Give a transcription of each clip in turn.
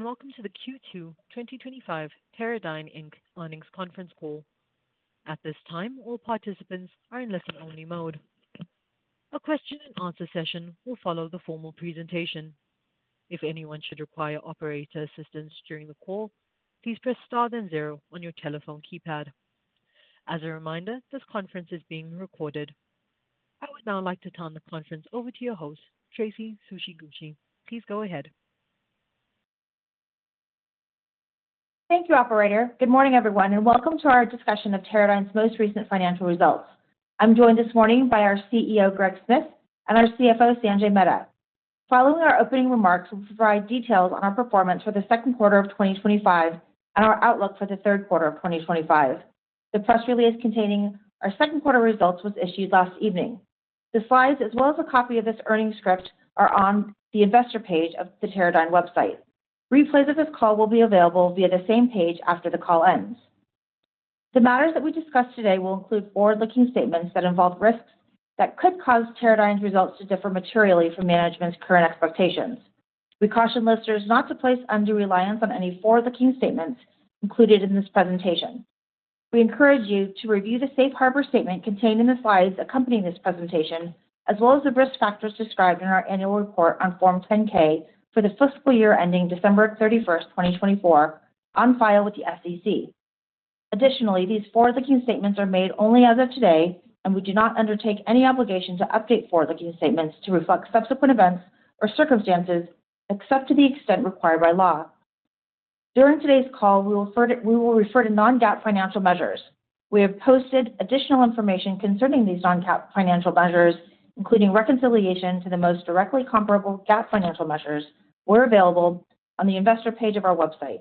Welcome to the Q2 2025 Teradyne earnings conference call. At this time, all participants are in listen-only mode. A question-and-answer session will follow the formal presentation. If anyone should require operator assistance during the call, please press star then zero on your telephone keypad. As a reminder, this conference is being recorded. I would now like to turn the conference over to your host, Traci Tsuchiguchi. Please go ahead. Thank you, Operator. Good morning, everyone, and welcome to our discussion of Teradyne's most recent financial results. I'm joined this morning by our CEO, Greg Smith, and our CFO, Sanjay Mehta. Following our opening remarks, we'll provide details on our performance for the second quarter of 2025 and our outlook for the third quarter of 2025. The press release containing our second quarter results was issued last evening. The slides, as well as a copy of this earnings script, are on the investor page of the Teradyne website. Replays of this call will be available via the same page after the call ends. The matters that we discuss today will include forward-looking statements that involve risks that could cause Teradyne's results to differ materially from management's current expectations. We caution listeners not to place undue reliance on any forward-looking statements included in this presentation. We encourage you to review the Safe Harbor statement contained in the slides accompanying this presentation, as well as the risk factors described in our annual report on Form 10-K for the fiscal year ending December 31, 2024, on file with the SEC. Additionally, these forward-looking statements are made only as of today, and we do not undertake any obligation to update forward-looking statements to reflect subsequent events or circumstances except to the extent required by law. During today's call, we will refer to non-GAAP financial measures. We have posted additional information concerning these non-GAAP financial measures, including reconciliation to the most directly comparable GAAP financial measures, where available on the investor page of our website.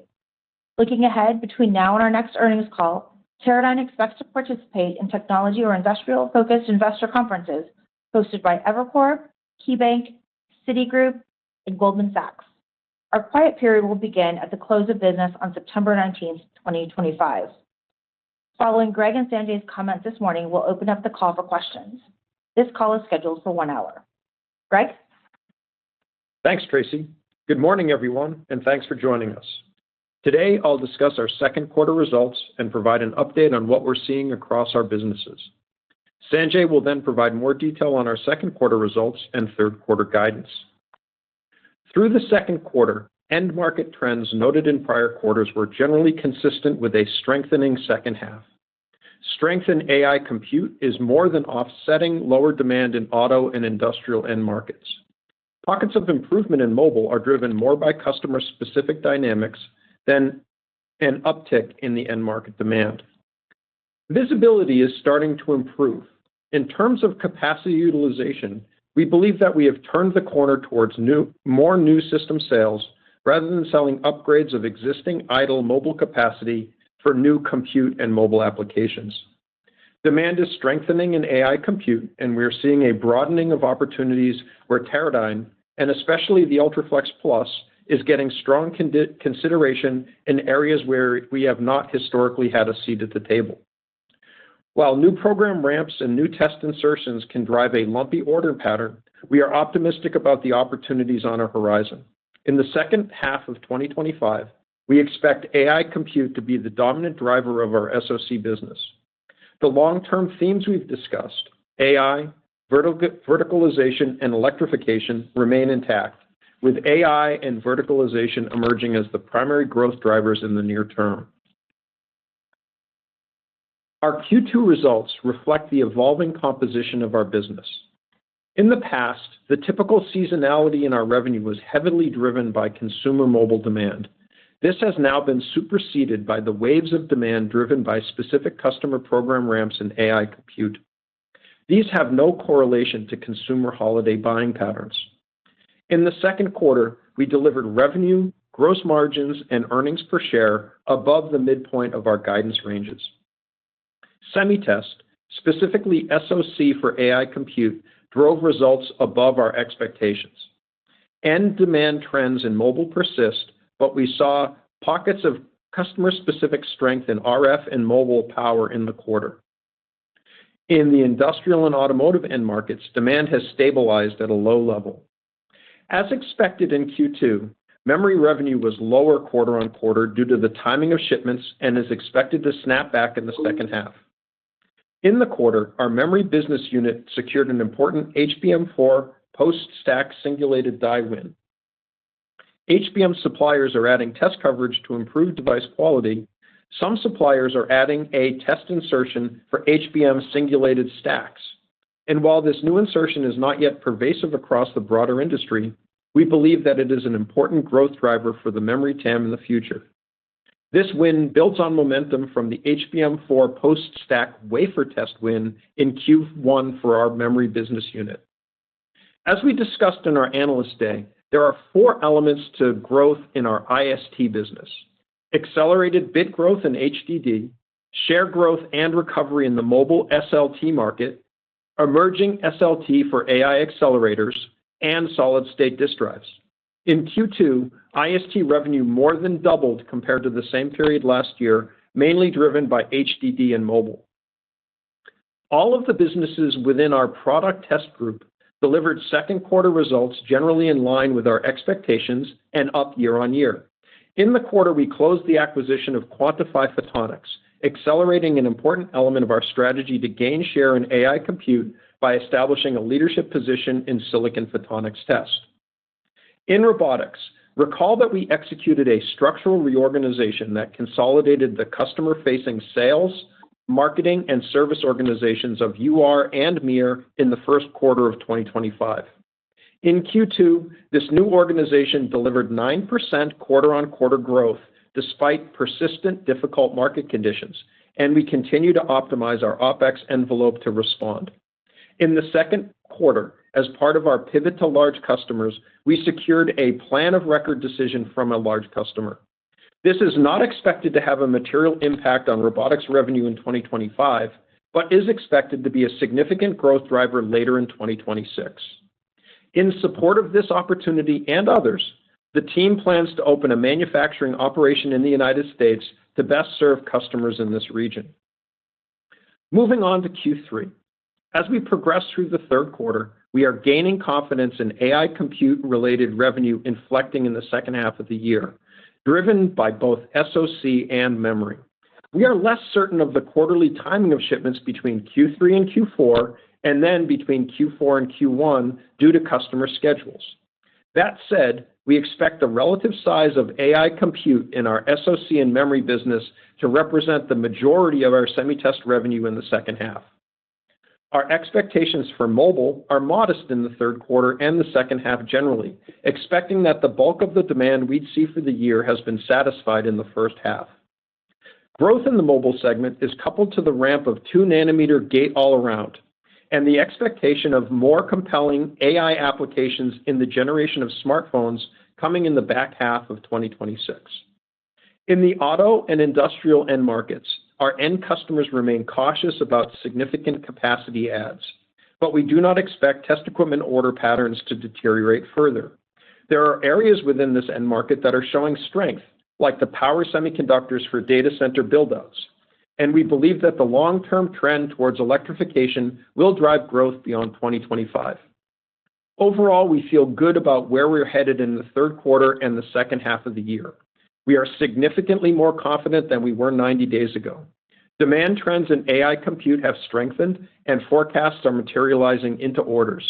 Looking ahead between now and our next earnings call, Teradyne expects to participate in technology or industrial-focused investor conferences hosted by Evercore, KeyBank, Citigroup, and Goldman Sachs. Our quiet period will begin at the close of business on September 19, 2025. Following Greg and Sanjay's comment this morning, we'll open up the call for questions. This call is scheduled for one hour. Greg? Thanks, Traci. Good morning, everyone, and thanks for joining us. Today, I'll discuss our second quarter results and provide an update on what we're seeing across our businesses. Sanjay will then provide more detail on our second quarter results and third quarter guidance. Through the second quarter, end market trends noted in prior quarters were generally consistent with a strengthening second half. Strength in AI compute is more than offsetting lower demand in auto and industrial end markets. Pockets of improvement in mobile are driven more by customer-specific dynamics than an uptick in the end market demand. Visibility is starting to improve. In terms of capacity utilization, we believe that we have turned the corner towards more new system sales rather than selling upgrades of existing idle mobile capacity for new compute and mobile applications. Demand is strengthening in AI compute, and we're seeing a broadening of opportunities where Teradyne, and especially the UltraFLEXplus, is getting strong consideration in areas where we have not historically had a seat at the table. While new program ramps and new test insertions can drive a lumpy order pattern, we are optimistic about the opportunities on our horizon. In the second half of 2025, we expect AI compute to be the dominant driver of our SoC business. The long-term themes we've discussed—AI, verticalization, and electrification—remain intact, with AI and verticalization emerging as the primary growth drivers in the near term. Our Q2 results reflect the evolving composition of our business. In the past, the typical seasonality in our revenue was heavily driven by consumer mobile demand. This has now been superseded by the waves of demand driven by specific customer program ramps and AI compute. These have no correlation to consumer holiday buying patterns. In the second quarter, we delivered revenue, gross margins, and earnings per share above the midpoint of our guidance ranges. Semitest, specifically SoC for AI compute, drove results above our expectations. End demand trends in mobile persist, but we saw pockets of customer-specific strength in RF and mobile power in the quarter. In the industrial and automotive end markets, demand has stabilized at a low level. As expected in Q2, memory revenue was lower quarter on quarter due to the timing of shipments and is expected to snap back in the second half. In the quarter, our memory business unit secured an important HBM4 post-stack singulated die win. HBM suppliers are adding test coverage to improve device quality. Some suppliers are adding a test insertion for HBM singulated stacks. While this new insertion is not yet pervasive across the broader industry, we believe that it is an important growth driver for the memory TAM in the future. This win builds on momentum from the HBM4 post-stack wafer test win in Q1 for our memory business unit. As we discussed in our analyst day, there are four elements to growth in our IST business: accelerated bid growth in HDD, share growth and recovery in the mobile SLT market, emerging SLT for AI accelerators, and solid-state disk drives. In Q2, IST revenue more than doubled compared to the same period last year, mainly driven by HDD and mobile. All of the businesses within our product test group delivered second-quarter results generally in line with our expectations and up year-on-year. In the quarter, we closed the acquisition of Quantify Photonics, accelerating an important element of our strategy to gain share in AI compute by establishing a leadership position in silicon photonics test. In robotics, recall that we executed a structural reorganization that consolidated the customer-facing sales, marketing, and service organizations of UR and MIR in the first quarter of 2025. In Q2, this new organization delivered 9% quarter-on-quarter growth despite persistent difficult market conditions, and we continue to optimize our OPEX envelope to respond. In the second quarter, as part of our pivot to large customers, we secured a plan of record decision from a large customer. This is not expected to have a material impact on robotics revenue in 2025, but is expected to be a significant growth driver later in 2026. In support of this opportunity and others, the team plans to open a manufacturing operation in the United States to best serve customers in this region. Moving on to Q3. As we progress through the third quarter, we are gaining confidence in AI compute-related revenue inflecting in the second half of the year, driven by both SoC and memory. We are less certain of the quarterly timing of shipments between Q3 and Q4, and then between Q4 and Q1 due to customer schedules. That said, we expect the relative size of AI compute in our SoC and memory business to represent the majority of our semitest revenue in the second half. Our expectations for mobile are modest in the third quarter and the second half generally, expecting that the bulk of the demand we'd see for the year has been satisfied in the first half. Growth in the mobile segment is coupled to the ramp of 2-nanometer gate-all-around and the expectation of more compelling AI applications in the generation of smartphones coming in the back half of 2026. In the auto and industrial end markets, our end customers remain cautious about significant capacity adds, but we do not expect test equipment order patterns to deteriorate further. There are areas within this end market that are showing strength, like the power semiconductors for data center buildouts, and we believe that the long-term trend towards electrification will drive growth beyond 2025. Overall, we feel good about where we're headed in the third quarter and the second half of the year. We are significantly more confident than we were 90 days ago. Demand trends in AI compute have strengthened and forecasts are materializing into orders.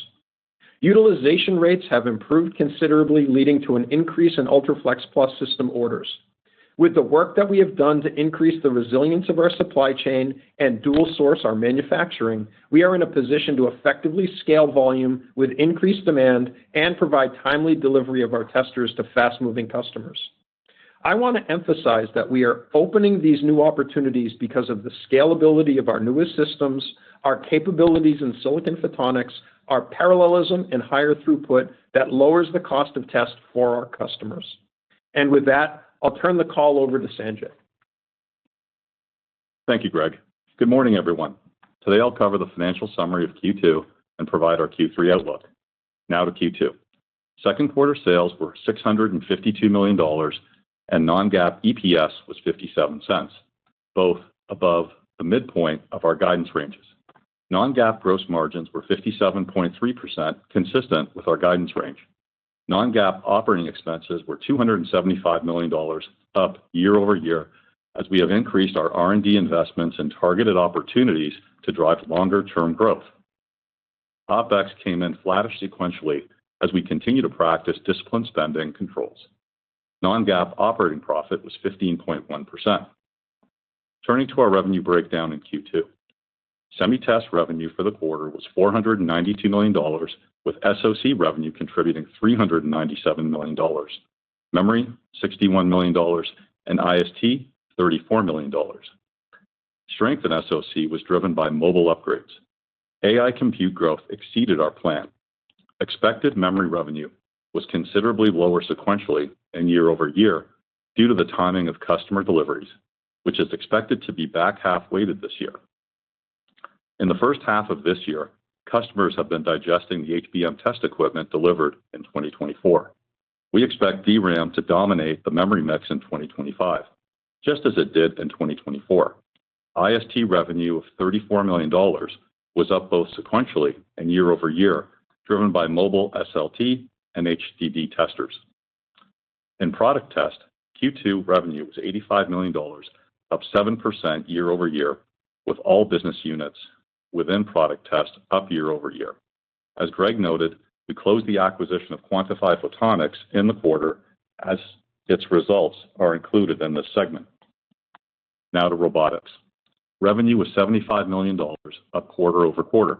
Utilization rates have improved considerably, leading to an increase in UltraFLEXplus system orders. With the work that we have done to increase the resilience of our supply chain and dual-source our manufacturing, we are in a position to effectively scale volume with increased demand and provide timely delivery of our testers to fast-moving customers. I want to emphasize that we are opening these new opportunities because of the scalability of our newest systems, our capabilities in silicon photonics, our parallelism, and higher throughput that lowers the cost of test for our customers. With that, I'll turn the call over to Sanjay. Thank you, Greg. Good morning, everyone. Today, I'll cover the financial summary of Q2 and provide our Q3 outlook. Now to Q2. Second-quarter sales were $652 million, and non-GAAP EPS was $0.57, both above the midpoint of our guidance ranges. Non-GAAP gross margins were 57.3%, consistent with our guidance range. Non-GAAP operating expenses were $275 million, up year-over-year, as we have increased our R&D investments and targeted opportunities to drive longer-term growth. OPEX came in flattish sequentially as we continue to practice discipline spending controls. Non-GAAP operating profit was 15.1%. Turning to our revenue breakdown in Q2. Semitest revenue for the quarter was $492 million, with SoC revenue contributing $397 million, memory $61 million, and IST $34 million. Strength in SoC was driven by mobile upgrades. AI compute growth exceeded our plan. Expected memory revenue was considerably lower sequentially and year-over-year due to the timing of customer deliveries, which is expected to be back halfway to this year. In the first half of this year, customers have been digesting the HBM test equipment delivered in 2024. We expect DRAM to dominate the memory mix in 2025, just as it did in 2024. IST revenue of $34 million was up both sequentially and year-over-year, driven by mobile SLT and HDD testers. In product test, Q2 revenue was $85 million, up 7% year-over-year, with all business units within product test up year-over-year. As Greg noted, we closed the acquisition of Quantify Photonics in the quarter as its results are included in this segment. Now to robotics. Revenue was $75 million a quarter over quarter,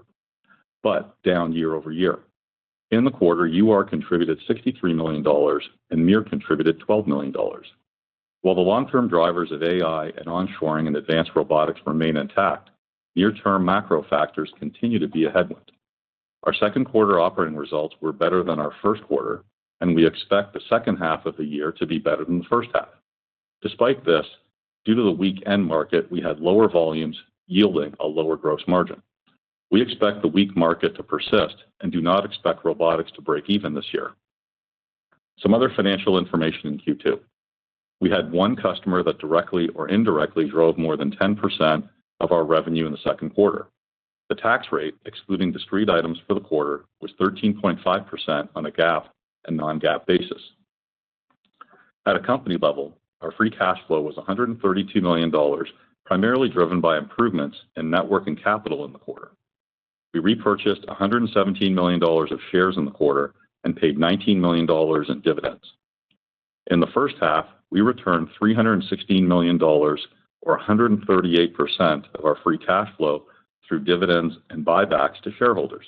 but down year-over-year. In the quarter, UR contributed $63 million and MIR contributed $12 million. While the long-term drivers of AI and onshoring and advanced robotics remain intact, near-term macro factors continue to be a headwind. Our second-quarter operating results were better than our first quarter, and we expect the second half of the year to be better than the first half. Despite this, due to the weak end market, we had lower volumes yielding a lower gross margin. We expect the weak market to persist and do not expect robotics to break even this year. Some other financial information in Q2. We had one customer that directly or indirectly drove more than 10% of our revenue in the second quarter. The tax rate, excluding discrete items for the quarter, was 13.5% on a GAAP and non-GAAP basis. At a company level, our free cash flow was $132 million, primarily driven by improvements in network and capital in the quarter. We repurchased $117 million of shares in the quarter and paid $19 million in dividends. In the first half, we returned $316 million, or 138% of our free cash flow, through dividends and buybacks to shareholders.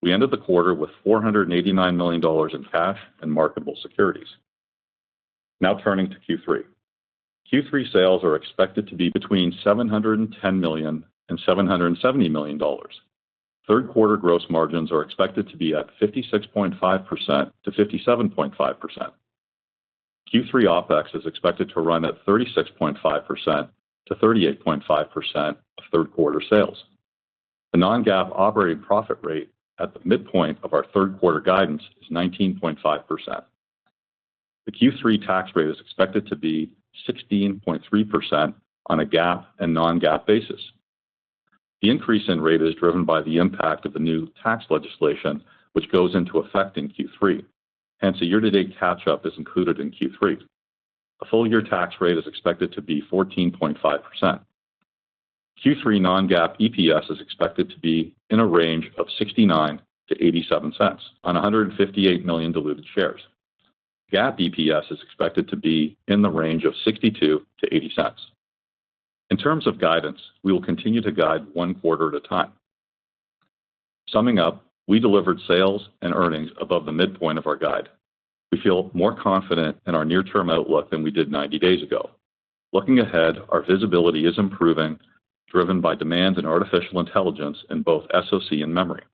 We ended the quarter with $489 million in cash and marketable securities. Now turning to Q3. Q3 sales are expected to be between $710 million and $770 million. Third-quarter gross margins are expected to be at 56.5%-57.5%. Q3 OPEX is expected to run at 36.5%-38.5% of third-quarter sales. The non-GAAP operating profit rate at the midpoint of our third-quarter guidance is 19.5%. The Q3 tax rate is expected to be 16.3% on a GAAP and non-GAAP basis. The increase in rate is driven by the impact of the new tax legislation, which goes into effect in Q3. Hence, a year-to-date catch-up is included in Q3. A full-year tax rate is expected to be 14.5%. Q3 non-GAAP EPS is expected to be in a range of $0.69-$0.87 on 158 million diluted shares. GAAP EPS is expected to be in the range of $0.62-$0.80. In terms of guidance, we will continue to guide one quarter at a time. Summing up, we delivered sales and earnings above the midpoint of our guide. We feel more confident in our near-term outlook than we did 90 days ago. Looking ahead, our visibility is improving, driven by demand and artificial intelligence in both SoC and memory.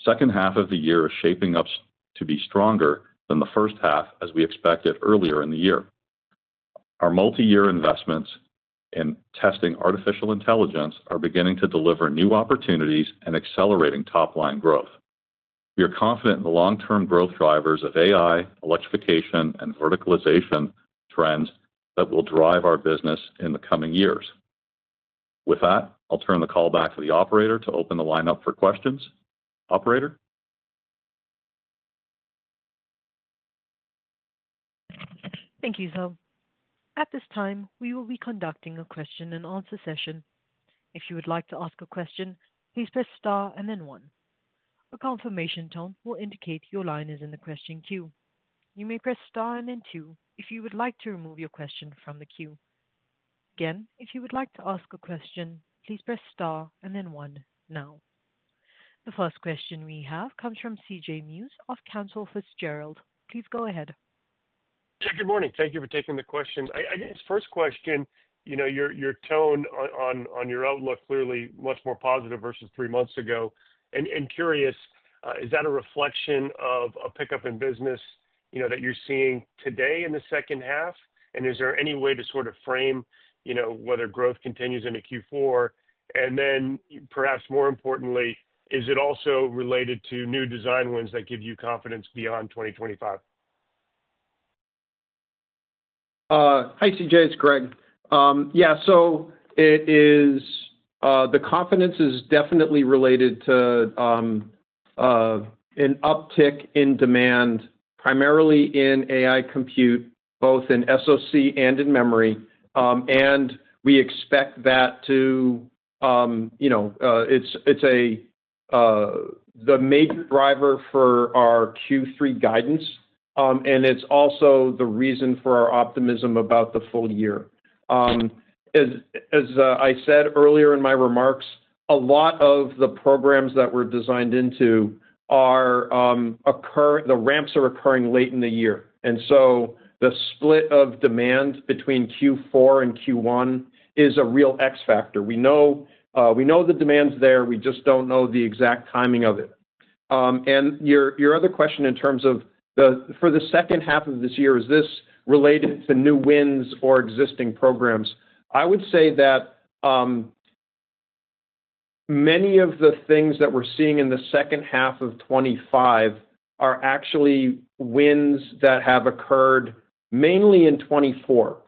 Second half of the year is shaping up to be stronger than the first half, as we expected earlier in the year. Our multi-year investments in testing artificial intelligence are beginning to deliver new opportunities and accelerating top-line growth. We are confident in the long-term growth drivers of AI, electrification, and verticalization trends that will drive our business in the coming years. With that, I'll turn the call back to the operator to open the lineup for questions. Operator? Thank you, Zoe. At this time, we will be conducting a question-and-answer session. If you would like to ask a question, please press Star and then one. A confirmation tone will indicate your line is in the question queue. You may press Star and then two if you would like to remove your question from the queue. Again, if you would like to ask a question, please press Star and then one now. The first question we have comes from CJ Muse of Cantor Fitzgerald. Please go ahead. Yeah, good morning. Thank you for taking the question. I guess first question, your tone on your outlook clearly much more positive versus three months ago. Curious, is that a reflection of a pickup in business that you're seeing today in the second half? Is there any way to sort of frame whether growth continues into Q4? Perhaps more importantly, is it also related to new design wins that give you confidence beyond 2025? Hi, CJ. It's Greg. Yeah, so it is. The confidence is definitely related to an uptick in demand, primarily in AI compute, both in SoC and in memory. We expect that to—it's a—the major driver for our Q3 guidance, and it's also the reason for our optimism about the full year. As I said earlier in my remarks, a lot of the programs that were designed into, the ramps are occurring late in the year. The split of demand between Q4 and Q1 is a real X factor. We know the demand's there. We just do not know the exact timing of it. Your other question in terms of, for the second half of this year, is this related to new wins or existing programs? I would say that many of the things that we're seeing in the second half of 2025 are actually wins that have occurred mainly in 2024.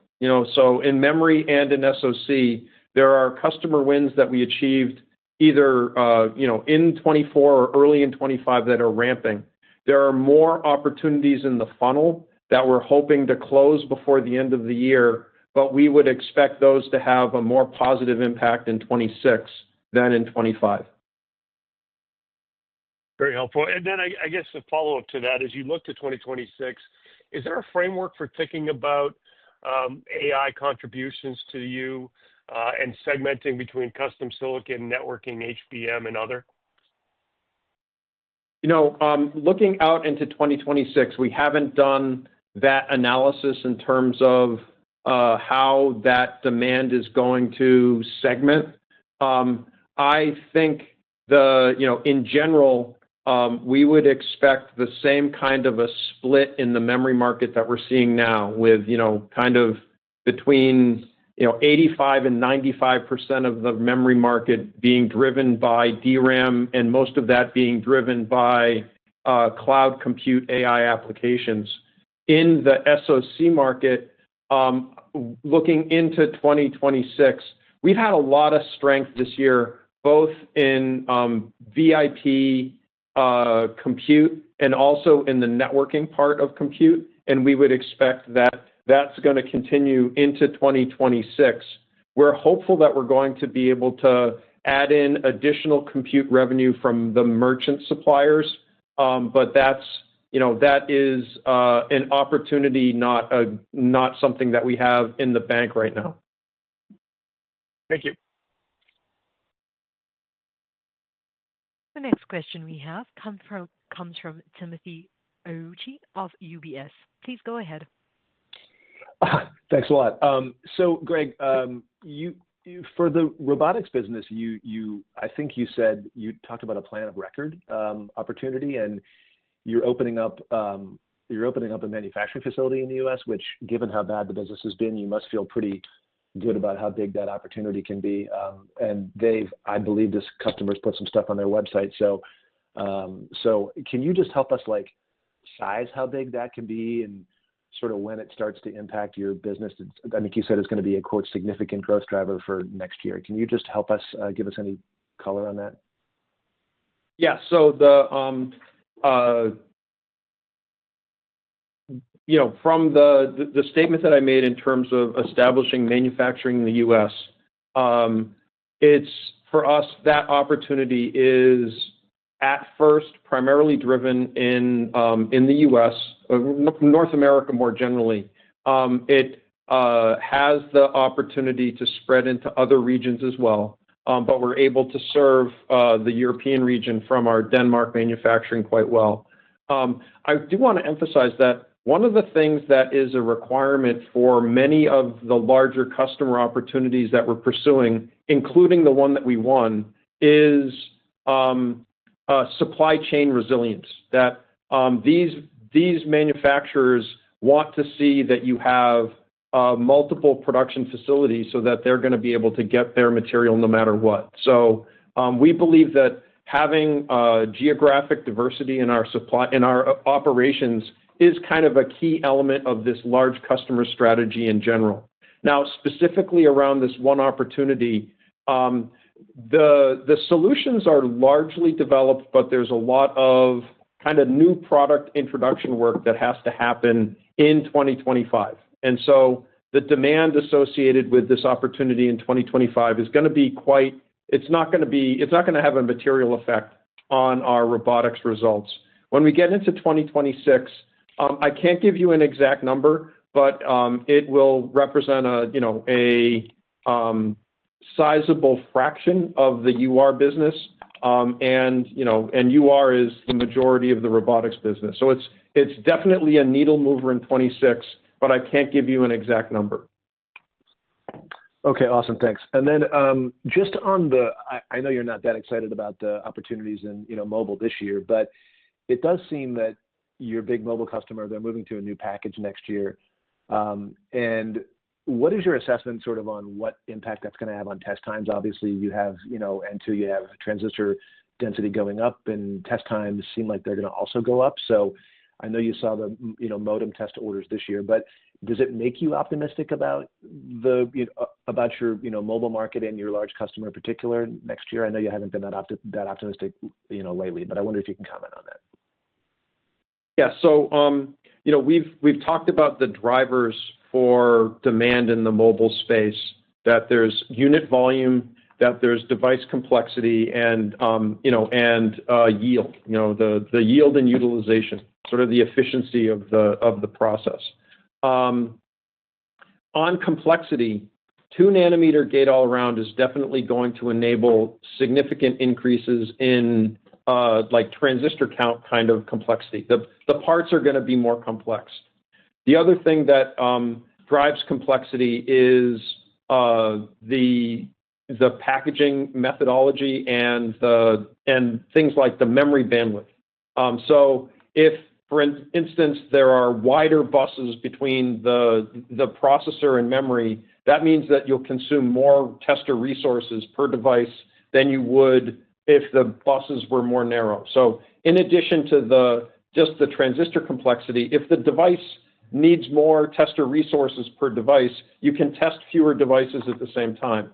In memory and in SoC, there are customer wins that we achieved either in 2024 or early in 2025 that are ramping. There are more opportunities in the funnel that we're hoping to close before the end of the year, but we would expect those to have a more positive impact in 2026 than in 2025. Very helpful. I guess the follow-up to that, as you look to 2026, is there a framework for thinking about AI contributions to you and segmenting between custom silicon, networking, HBM, and other? Looking out into 2026, we haven't done that analysis in terms of how that demand is going to segment. I think in general, we would expect the same kind of a split in the memory market that we're seeing now, with kind of between 85-95% of the memory market being driven by DRAM and most of that being driven by cloud compute AI applications. In the SoC market, looking into 2026, we've had a lot of strength this year, both in VIP compute and also in the networking part of compute. We would expect that that's going to continue into 2026. We're hopeful that we're going to be able to add in additional compute revenue from the merchant suppliers, but that is an opportunity, not something that we have in the bank right now. Thank you. The next question we have comes from Timothy Ouchi of UBS. Please go ahead. Thanks a lot. Greg, for the robotics business, I think you said you talked about a plan of record opportunity, and you're opening up a manufacturing facility in the U.S., which, given how bad the business has been, you must feel pretty good about how big that opportunity can be. I believe this customer's put some stuff on their website. Can you just help us size how big that can be and sort of when it starts to impact your business? I think you said it's going to be a "significant growth driver" for next year. Can you just help us, give us any color on that? Yeah. From the statement that I made in terms of establishing manufacturing in the U.S., for us, that opportunity is at first primarily driven in the U.S., North America more generally. It has the opportunity to spread into other regions as well, but we're able to serve the European region from our Denmark manufacturing quite well. I do want to emphasize that one of the things that is a requirement for many of the larger customer opportunities that we're pursuing, including the one that we won, is supply chain resilience, that these manufacturers want to see that you have multiple production facilities so that they're going to be able to get their material no matter what. We believe that having geographic diversity in our operations is kind of a key element of this large customer strategy in general. Now, specifically around this one opportunity, the solutions are largely developed, but there's a lot of kind of new product introduction work that has to happen in 2025. The demand associated with this opportunity in 2025 is going to be quite—it's not going to be—it's not going to have a material effect on our robotics results. When we get into 2026, I can't give you an exact number, but it will represent a sizable fraction of the UR business. UR is the majority of the robotics business. It's definitely a needle mover in 2026, but I can't give you an exact number. Okay. Awesome. Thanks. And then just on the—I know you're not that excited about the opportunities in mobile this year, but it does seem that your big mobile customer, they're moving to a new package next year. And what is your assessment sort of on what impact that's going to have on test times? Obviously, you have—and two, you have transistor density going up, and test times seem like they're going to also go up. I know you saw the modem test orders this year, but does it make you optimistic about your mobile market and your large customer in particular next year? I know you haven't been that optimistic lately, but I wonder if you can comment on that. Yeah. So, we've talked about the drivers for demand in the mobile space, that there's unit volume, that there's device complexity, and yield, the yield and utilization, sort of the efficiency of the process. On complexity, 2-nanometer gate-all-around is definitely going to enable significant increases in transistor count kind of complexity. The parts are going to be more complex. The other thing that drives complexity is the packaging methodology and things like the memory bandwidth. If, for instance, there are wider buses between the processor and memory, that means that you'll consume more tester resources per device than you would if the buses were more narrow. In addition to just the transistor complexity, if the device needs more tester resources per device, you can test fewer devices at the same time.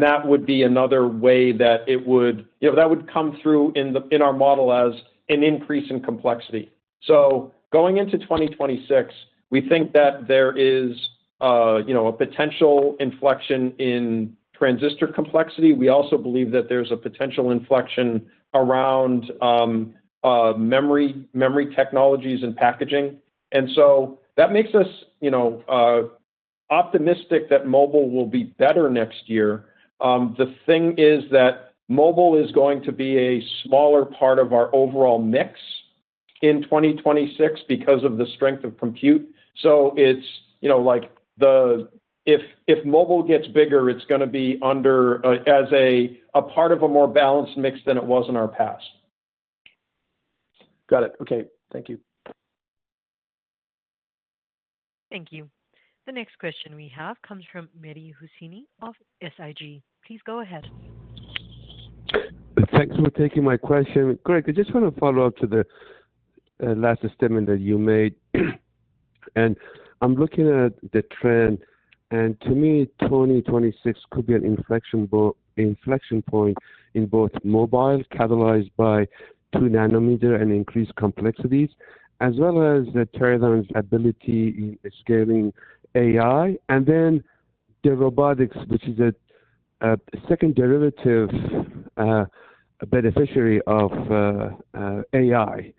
That would be another way that it would—that would come through in our model as an increase in complexity. Going into 2026, we think that there is a potential inflection in transistor complexity. We also believe that there's a potential inflection around memory technologies and packaging. That makes us optimistic that mobile will be better next year. The thing is that mobile is going to be a smaller part of our overall mix in 2026 because of the strength of compute. It's like, if mobile gets bigger, it's going to be under, as a part of a more balanced mix than it was in our past. Got it. Okay. Thank you. Thank you. The next question we have comes from Mehdi Hosseini of SIG. Please go ahead. Thanks for taking my question. Greg, I just want to follow up to the last statement that you made. I'm looking at the trend, and to me, 2026 could be an inflection point in both mobile catalyzed by 2-nanometer and increased complexities, as well as Teradyne's ability in scaling AI. The robotics, which is a second derivative beneficiary of AI,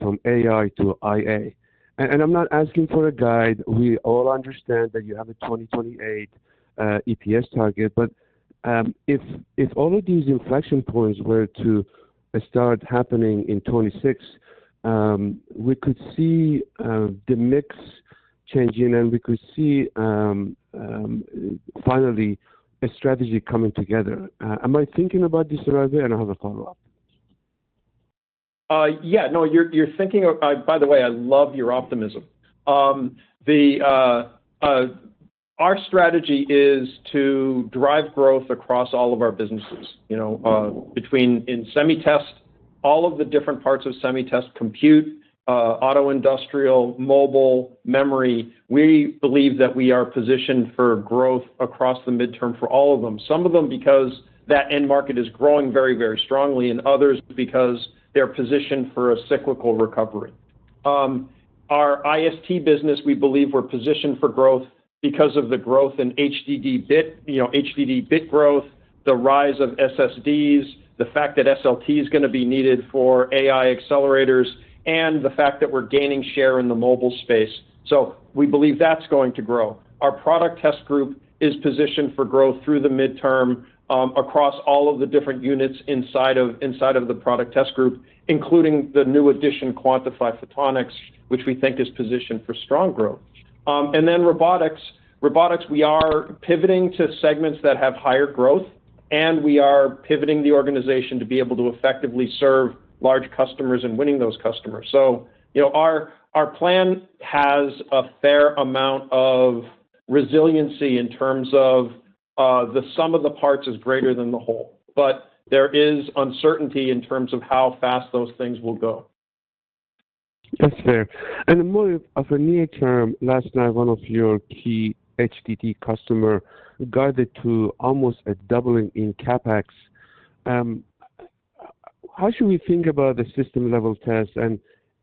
from AI to IA. I'm not asking for a guide. We all understand that you have a 2028 EPS target. If all of these inflection points were to start happening in 2026, we could see the mix changing, and we could see finally a strategy coming together. Am I thinking about this right away? I have a follow-up. Yeah. No, you're thinking—by the way, I love your optimism. Our strategy is to drive growth across all of our businesses. In Semitest, all of the different parts of Semitest: compute, autoindustrial, mobile, memory. We believe that we are positioned for growth across the midterm for all of them, some of them because that end market is growing very, very strongly, and others because they're positioned for a cyclical recovery. Our IST business, we believe we're positioned for growth because of the growth in HDD bit growth, the rise of SSDs, the fact that SLT is going to be needed for AI accelerators, and the fact that we're gaining share in the mobile space. We believe that's going to grow. Our product test group is positioned for growth through the midterm across all of the different units inside of the product test group, including the new addition, Quantify Photonics, which we think is positioned for strong growth. In robotics, we are pivoting to segments that have higher growth, and we are pivoting the organization to be able to effectively serve large customers and winning those customers. Our plan has a fair amount of resiliency in terms of the sum of the parts is greater than the whole. There is uncertainty in terms of how fast those things will go. That's fair. In more of a near term, last night, one of your key HDD customers guided to almost a doubling in CapEx. How should we think about the system-level tests?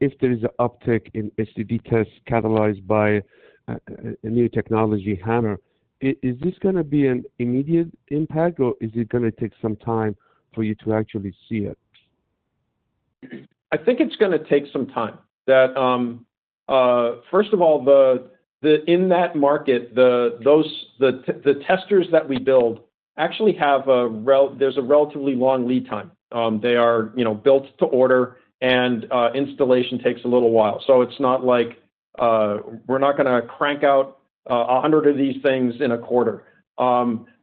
If there is an uptick in SLT tests catalyzed by a new technology hammer, is this going to be an immediate impact, or is it going to take some time for you to actually see it? I think it's going to take some time. First of all, in that market, the testers that we build actually have a relatively long lead time. They are built to order, and installation takes a little while. It's not like we're going to crank out 100 of these things in a quarter.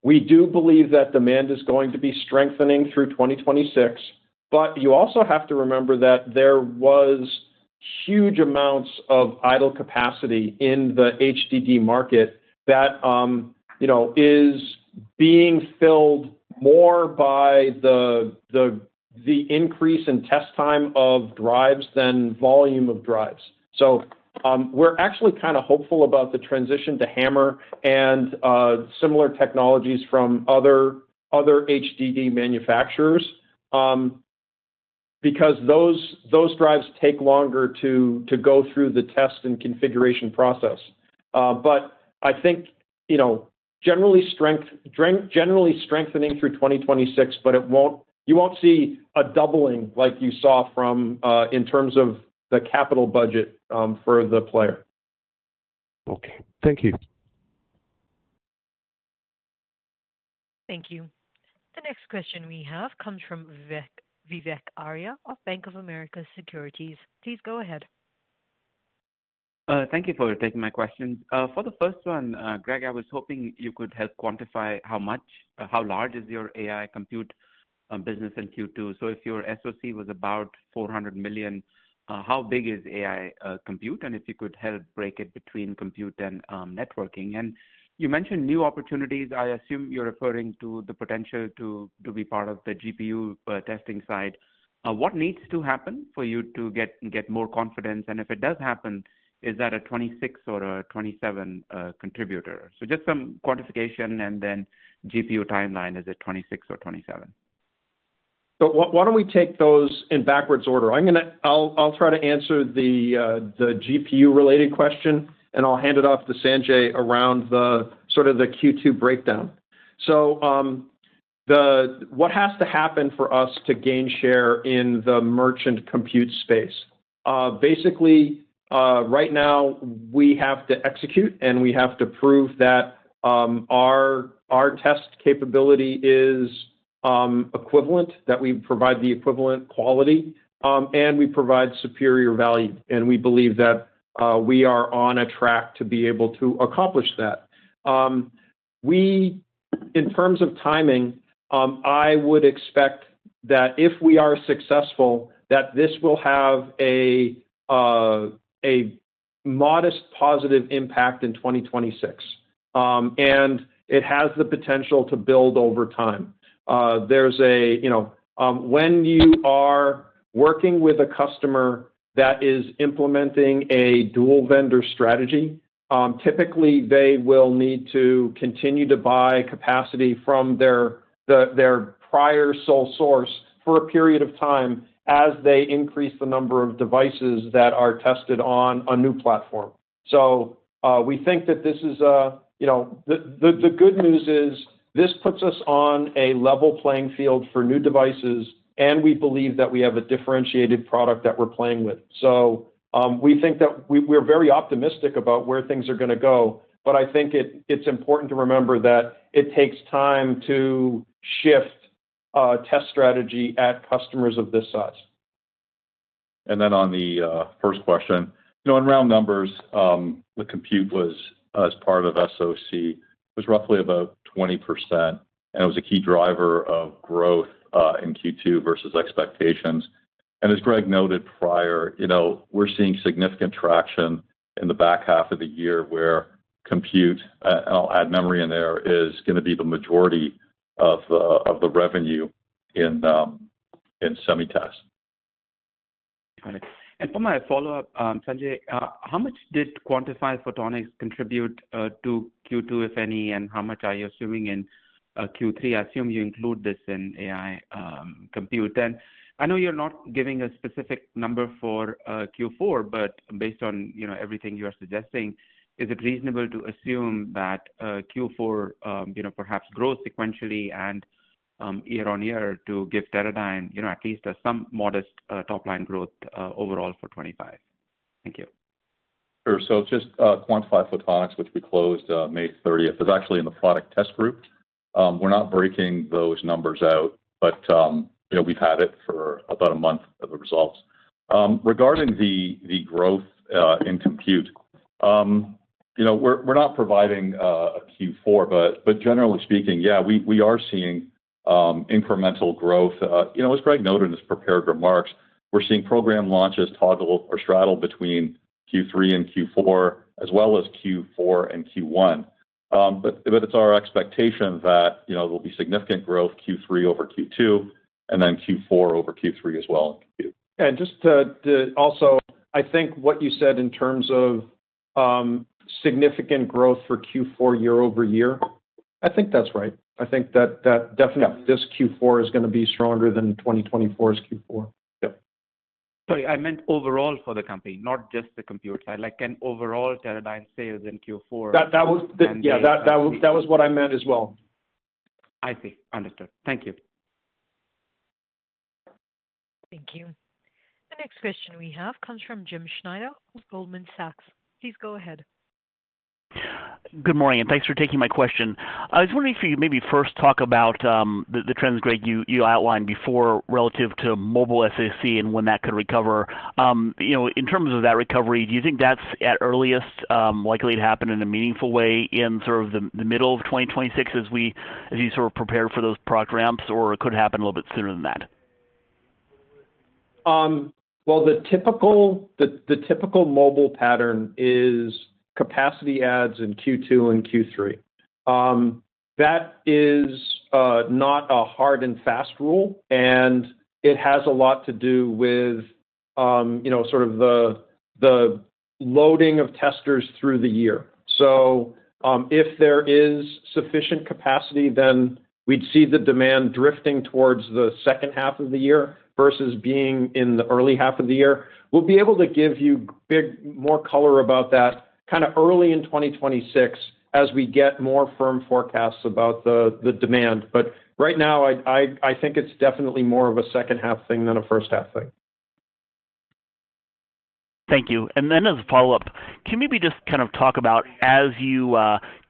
We do believe that demand is going to be strengthening through 2026. You also have to remember that there were huge amounts of idle capacity in the HDD market that is being filled more by the increase in test time of drives than volume of drives. We're actually kind of hopeful about the transition to HAMR and similar technologies from other HDD manufacturers because those drives take longer to go through the test and configuration process. I think, generally, strengthening through 2026, but you won't see a doubling like you saw in terms of the capital budget for the player. Okay. Thank you. Thank you. The next question we have comes from Vivek Arya of Bank of America Securities. Please go ahead. Thank you for taking my questions. For the first one, Greg, I was hoping you could help quantify how large your AI compute business in Q2. So if your SoC was about $400 million, how big is AI compute? And if you could help break it between compute and networking. You mentioned new opportunities. I assume you're referring to the potential to be part of the GPU testing side. What needs to happen for you to get more confidence? If it does happen, is that a 2026 or a 2027 contributor? Just some quantification and then GPU timeline. Is it 2026 or 2027? Why don't we take those in backwards order? I'll try to answer the GPU-related question, and I'll hand it off to Sanjay around sort of the Q2 breakdown. What has to happen for us to gain share in the merchant compute space? Basically, right now, we have to execute, and we have to prove that our test capability is equivalent, that we provide the equivalent quality, and we provide superior value. We believe that we are on a track to be able to accomplish that. In terms of timing, I would expect that if we are successful, this will have a modest positive impact in 2026, and it has the potential to build over time. When you are working with a customer that is implementing a dual-vendor strategy, typically, they will need to continue to buy capacity from their prior sole source for a period of time as they increase the number of devices that are tested on a new platform. The good news is this puts us on a level playing field for new devices, and we believe that we have a differentiated product that we're playing with. We think that we're very optimistic about where things are going to go. I think it's important to remember that it takes time to shift test strategy at customers of this size. On the first question, in round numbers, the compute as part of SoC was roughly about 20%, and it was a key driver of growth in Q2 versus expectations. As Greg noted prior, we're seeing significant traction in the back half of the year where compute, and I'll add memory in there, is going to be the majority of the revenue in Semitest. Got it. For my follow-up, Sanjay, how much did Quantify Photonics contribute to Q2, if any, and how much are you assuming in Q3? I assume you include this in AI compute. I know you're not giving a specific number for Q4, but based on everything you are suggesting, is it reasonable to assume that Q4 perhaps grows sequentially and year on year to give Teradyne at least some modest top-line growth overall for 2025? Thank you. Sure. So just Quantify Photonics, which we closed May 30, is actually in the product test group. We're not breaking those numbers out, but we've had it for about a month of the results. Regarding the growth in compute, we're not providing a Q4, but generally speaking, yeah, we are seeing incremental growth. As Greg noted in his prepared remarks, we're seeing program launches toggle or straddle between Q3 and Q4, as well as Q4 and Q1. It's our expectation that there will be significant growth Q3 over Q2 and then Q4 over Q3 as well. Just to also, I think what you said in terms of significant growth for Q4 year over year, I think that's right. I think that definitely this Q4 is going to be stronger than 2024's Q4. Sorry, I meant overall for the company, not just the compute side. Can overall Teradyne sales in Q4? Yeah, that was what I meant as well. I see. Understood. Thank you. Thank you. The next question we have comes from Jim Schneider of Goldman Sachs. Please go ahead. Good morning, and thanks for taking my question. I was wondering if you could maybe first talk about the trends, Greg, you outlined before relative to mobile SoC and when that could recover. In terms of that recovery, do you think that's at earliest likely to happen in a meaningful way in sort of the middle of 2026 as you sort of prepare for those product ramps, or could it happen a little bit sooner than that? The typical mobile pattern is capacity adds in Q2 and Q3. That is not a hard and fast rule, and it has a lot to do with sort of the loading of testers through the year. If there is sufficient capacity, then we'd see the demand drifting towards the second half of the year versus being in the early half of the year. We'll be able to give you more color about that kind of early in 2026 as we get more firm forecasts about the demand. Right now, I think it's definitely more of a second-half thing than a first-half thing. Thank you. As a follow-up, can we maybe just kind of talk about as you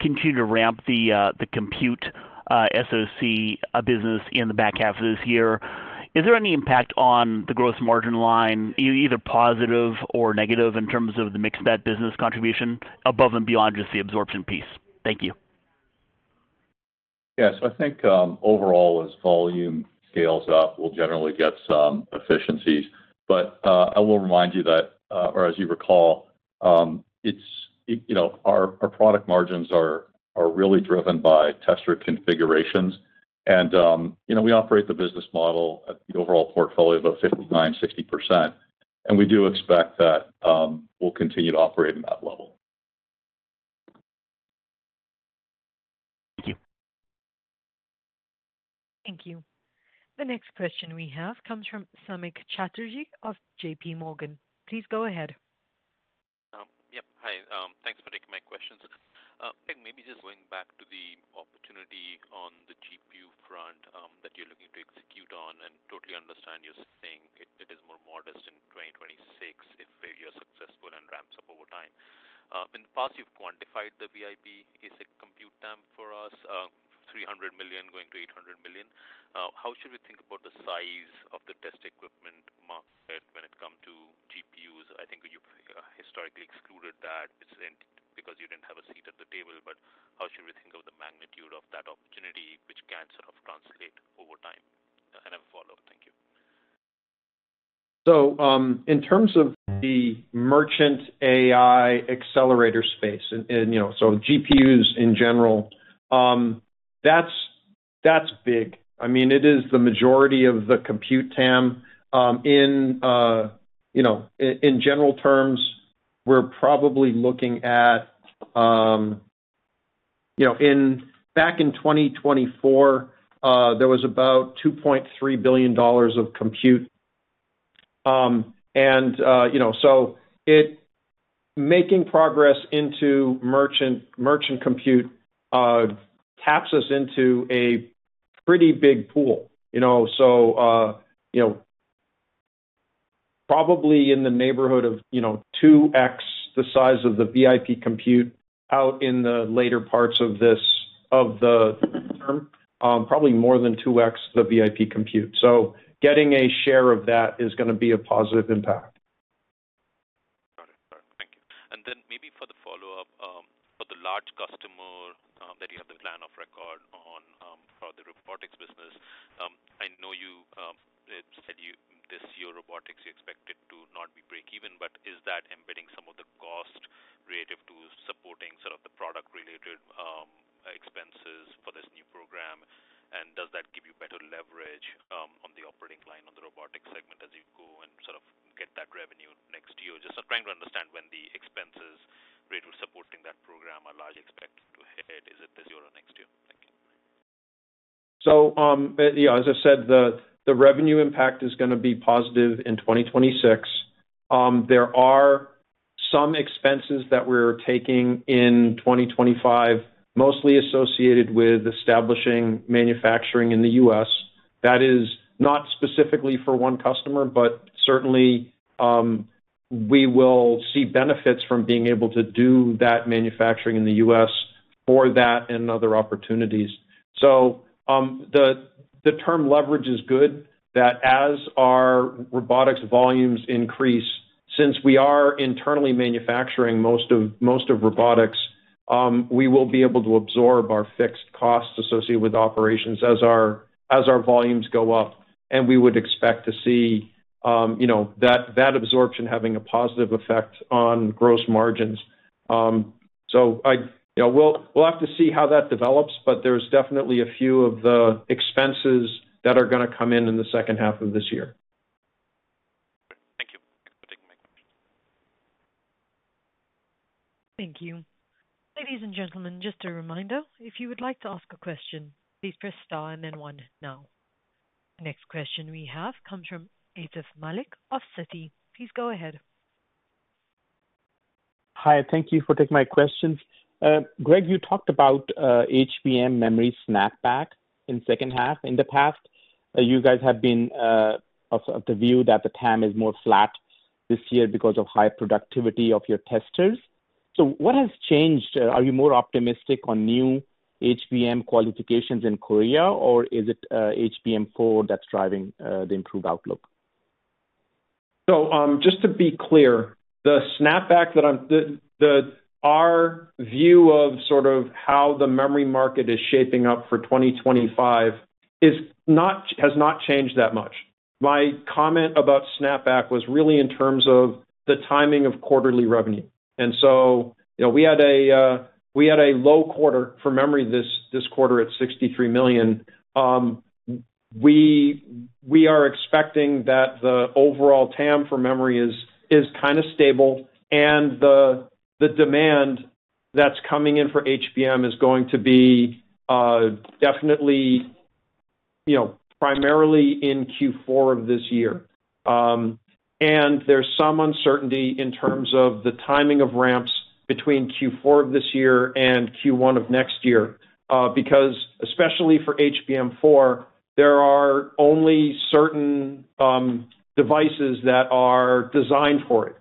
continue to ramp the compute SoC business in the back half of this year, is there any impact on the gross margin line, either positive or negative, in terms of the mixed-bed business contribution above and beyond just the absorption piece? Thank you. Yes. I think overall, as volume scales up, we'll generally get some efficiencies. I will remind you that, or as you recall, our product margins are really driven by tester configurations. We operate the business model at the overall portfolio of about 59%-60%. We do expect that we'll continue to operate at that level. Thank you. Thank you. The next question we have comes from Samik Chatterjee of JPMorgan. Please go ahead. Yep. Hi. Thanks for taking my questions. I think maybe just going back to the opportunity on the GPU front that you're looking to execute on, and totally understand you're saying it is more modest in 2026 if you're successful and ramps up over time. In the past, you've quantified the VIP compute TAM for us, $300 million going to $800 million. How should we think about the size of the test equipment market when it comes to GPUs? I think you've historically excluded that because you didn't have a seat at the table. How should we think of the magnitude of that opportunity which can sort of translate over time? I have a follow-up. Thank you. In terms of the merchant AI accelerator space, GPUs in general, that's big. I mean, it is the majority of the compute time. In general terms, we're probably looking at back in 2024, there was about $2.3 billion of compute. Making progress into merchant compute taps us into a pretty big pool. Probably in the neighborhood of 2x the size of the VIP compute out in the later parts of the term, probably more than 2x the VIP compute. Getting a share of that is going to be a positive impact. Got it. Thank you. Maybe for the follow-up, for the large customer that you have the plan of record on for the robotics business, I know you said this year robotics you expected to not be break-even, but is that embedding some of the cost relative to supporting sort of the product-related expenses for this new program? Does that give you better leverage on the operating line on the robotics segment as you go and sort of get that revenue next year? Just trying to understand when the expenses related to supporting that program are largely expected to hit. Is it this year or next year? Thank you. As I said, the revenue impact is going to be positive in 2026. There are some expenses that we're taking in 2025, mostly associated with establishing manufacturing in the U.S. That is not specifically for one customer, but certainly we will see benefits from being able to do that manufacturing in the U.S. for that and other opportunities. The term leverage is good that as our robotics volumes increase, since we are internally manufacturing most of robotics, we will be able to absorb our fixed costs associated with operations as our volumes go up. We would expect to see that absorption having a positive effect on gross margins. We will have to see how that develops, but there's definitely a few of the expenses that are going to come in in the second half of this year. Thank you. Thank you. Thank you. Ladies and gentlemen, just a reminder, if you would like to ask a question, please press star and then one now. The next question we have comes from Atif Malik of Citi. Please go ahead. Hi. Thank you for taking my questions. Greg, you talked about HBM memory snapback in the second half. In the past, you guys have been of the view that the TAM is more flat this year because of high productivity of your testers. What has changed? Are you more optimistic on new HBM qualifications in Korea, or is it HBM4 that's driving the improved outlook? Just to be clear, the snapback that I'm—our view of sort of how the memory market is shaping up for 2025 has not changed that much. My comment about snapback was really in terms of the timing of quarterly revenue. We had a low quarter for memory this quarter at $63 million. We are expecting that the overall TAM for memory is kind of stable, and the demand that's coming in for HBM is going to be definitely primarily in Q4 of this year. There's some uncertainty in terms of the timing of ramps between Q4 of this year and Q1 of next year because, especially for HBM4, there are only certain devices that are designed for it.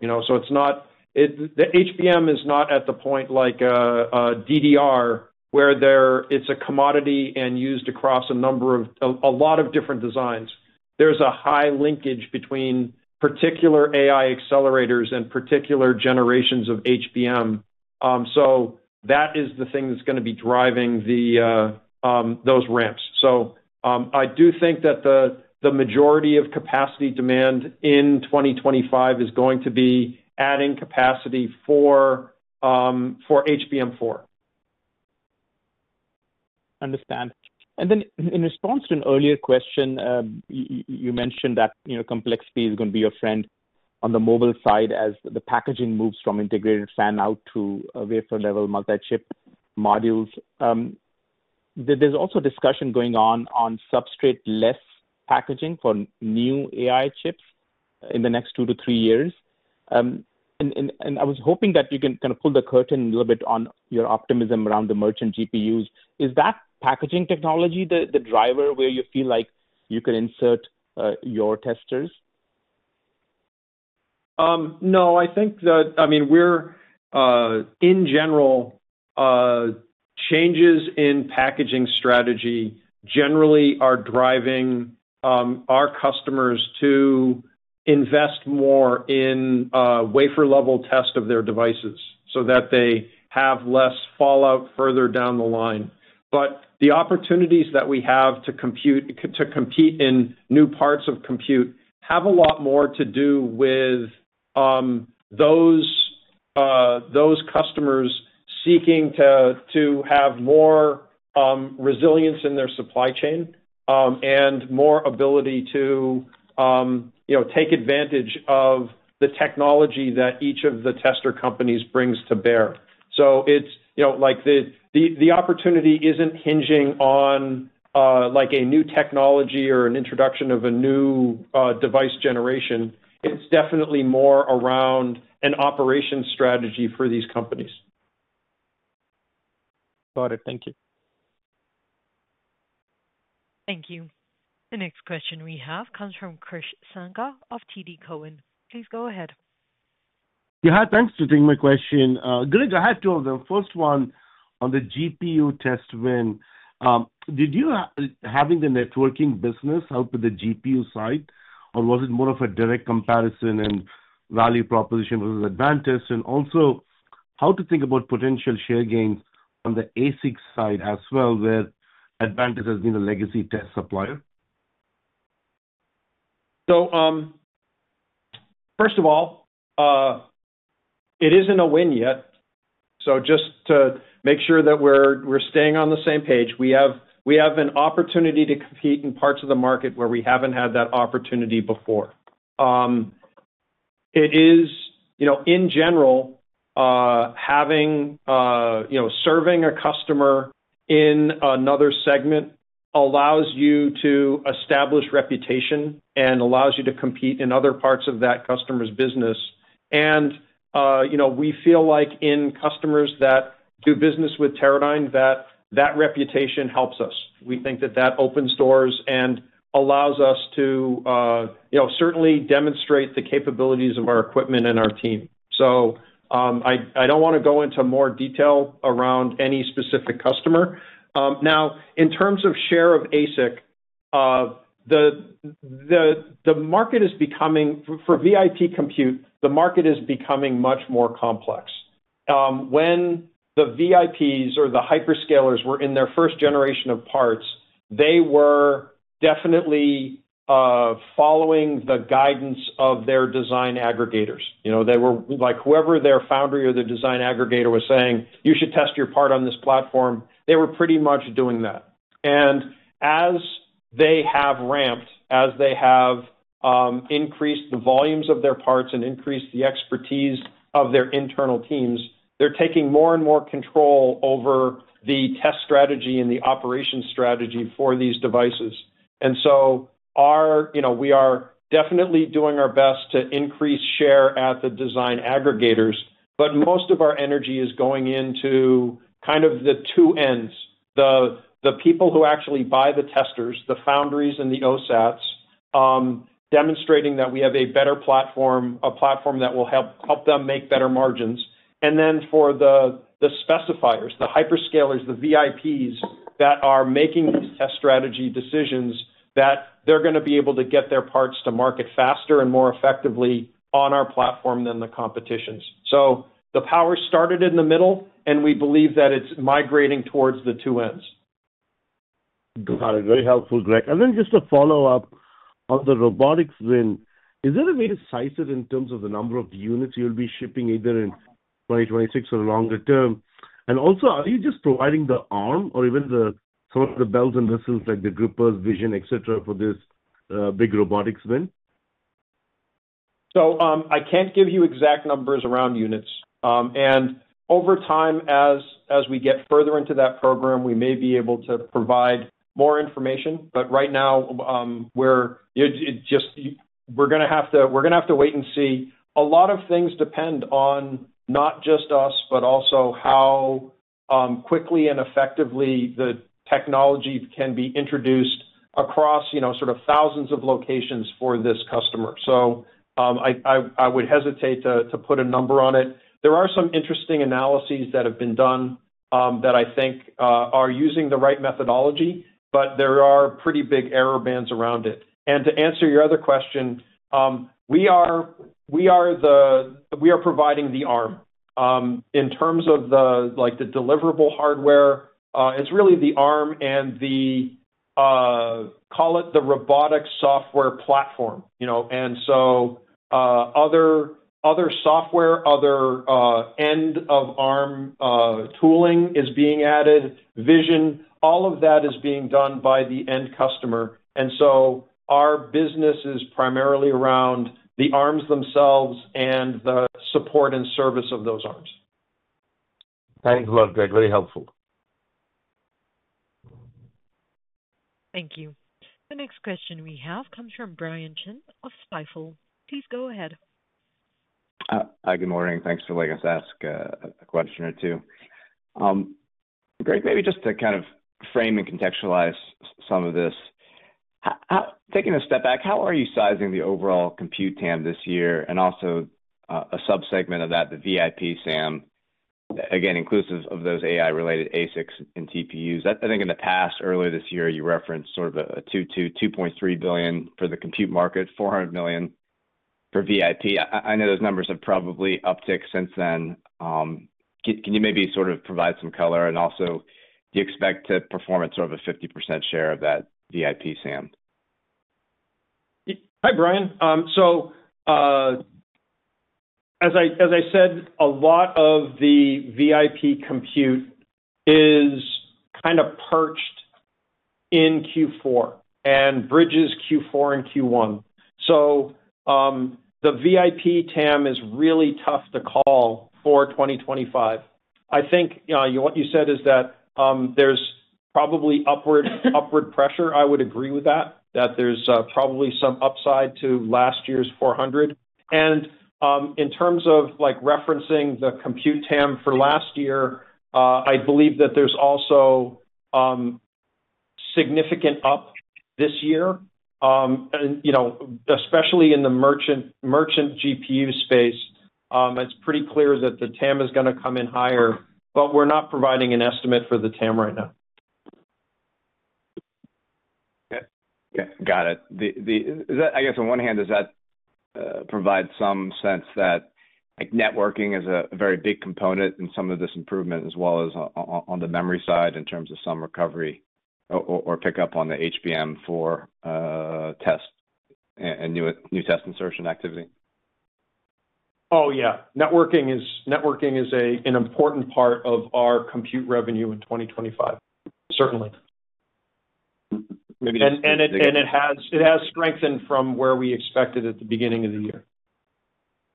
The HBM is not at the point like a DDR where it's a commodity and used across a number of a lot of different designs. There's a high linkage between particular AI accelerators and particular generations of HBM. That is the thing that's going to be driving those ramps. I do think that the majority of capacity demand in 2025 is going to be adding capacity for HBM4. Understand. In response to an earlier question, you mentioned that complexity is going to be your friend on the mobile side as the packaging moves from integrated fan out to wafer-level multi-chip modules. There is also discussion going on on substrate-less packaging for new AI chips in the next two to three years. I was hoping that you can kind of pull the curtain a little bit on your optimism around the merchant GPUs. Is that packaging technology the driver where you feel like you can insert your testers? No. I think that, I mean, we're, in general, changes in packaging strategy generally are driving our customers to invest more in wafer-level test of their devices so that they have less fallout further down the line. The opportunities that we have to compete in new parts of compute have a lot more to do with those customers seeking to have more resilience in their supply chain and more ability to take advantage of the technology that each of the tester companies brings to bear. It's like the opportunity isn't hinging on a new technology or an introduction of a new device generation. It's definitely more around an operation strategy for these companies. Got it. Thank you. Thank you. The next question we have comes from Krish Sankar of TD Cowen. Please go ahead. Yeah. Thanks for taking my question. Greg, I have two of them. First one on the GPU test win. Did you having the networking business help with the GPU side, or was it more of a direct comparison and value proposition versus Advantest? Also, how to think about potential share gains on the ASIC side as well, where Advantest has been a legacy test supplier? First of all, it isn't a win yet. Just to make sure that we're staying on the same page, we have an opportunity to compete in parts of the market where we haven't had that opportunity before. In general, serving a customer in another segment allows you to establish reputation and allows you to compete in other parts of that customer's business. We feel like in customers that do business with Teradyne, that reputation helps us. We think that opens doors and allows us to certainly demonstrate the capabilities of our equipment and our team. I don't want to go into more detail around any specific customer. Now, in terms of share of ASIC, the market is becoming, for VIP compute, much more complex. When the VIPs or the hyperscalers were in their first generation of parts, they were definitely following the guidance of their design aggregators. They were like, whoever their foundry or their design aggregator was saying, "You should test your part on this platform," they were pretty much doing that. As they have ramped, as they have increased the volumes of their parts and increased the expertise of their internal teams, they're taking more and more control over the test strategy and the operation strategy for these devices. We are definitely doing our best to increase share at the design aggregators, but most of our energy is going into kind of the two ends: the people who actually buy the testers, the foundries and the OSATs. Demonstrating that we have a better platform, a platform that will help them make better margins. Then for the specifiers, the hyperscalers, the VIPs that are making these test strategy decisions, that they're going to be able to get their parts to market faster and more effectively on our platform than the competition's. The power started in the middle, and we believe that it's migrating towards the two ends. Got it. Very helpful, Greg. Then just a follow-up on the robotics win. Is there a way to size it in terms of the number of units you'll be shipping either in 2026 or longer term? Also, are you just providing the arm or even some of the bells and whistles like the groupers, vision, etc., for this big robotics win? I can't give you exact numbers around units. Over time, as we get further into that program, we may be able to provide more information. Right now, we're going to have to wait and see. A lot of things depend on not just us, but also how quickly and effectively the technology can be introduced across thousands of locations for this customer. I would hesitate to put a number on it. There are some interesting analyses that have been done that I think are using the right methodology, but there are pretty big error bands around it. To answer your other question, we are providing the arm. In terms of the deliverable hardware, it's really the arm and the, call it, the robotics software platform. Other software, other end-of-arm tooling is being added, vision, all of that is being done by the end customer. Our business is primarily around the arms themselves and the support and service of those arms. Thanks a lot, Greg. Very helpful. Thank you. The next question we have comes from Brian Chin of Stifel. Please go ahead. Hi. Good morning. Thanks for letting us ask a question or two. Greg, maybe just to kind of frame and contextualize some of this. Taking a step back, how are you sizing the overall compute TAM this year and also a subsegment of that, the VIP SAM, again, inclusive of those AI-related ASICs and TPUs? I think in the past, earlier this year, you referenced sort of a $2.3 billion for the compute market, $400 million for VIP. I know those numbers have probably upticked since then. Can you maybe sort of provide some color? Also, do you expect to perform at sort of a 50% share of that VIP SAM? Hi, Brian. As I said, a lot of the VIP compute is kind of perched in Q4 and bridges Q4 and Q1. The VIP TAM is really tough to call for 2025. I think what you said is that there's probably upward pressure. I would agree with that, that there's probably some upside to last year's 400. In terms of referencing the compute TAM for last year, I believe that there's also significant up this year, especially in the merchant GPU space. It's pretty clear that the TAM is going to come in higher, but we're not providing an estimate for the TAM right now. Okay. Got it. I guess on one hand, does that provide some sense that networking is a very big component in some of this improvement, as well as on the memory side in terms of some recovery or pickup on the HBM4 test and new test insertion activity? Oh, yeah. Networking is an important part of our compute revenue in 2025. Certainly. It has strengthened from where we expected at the beginning of the year.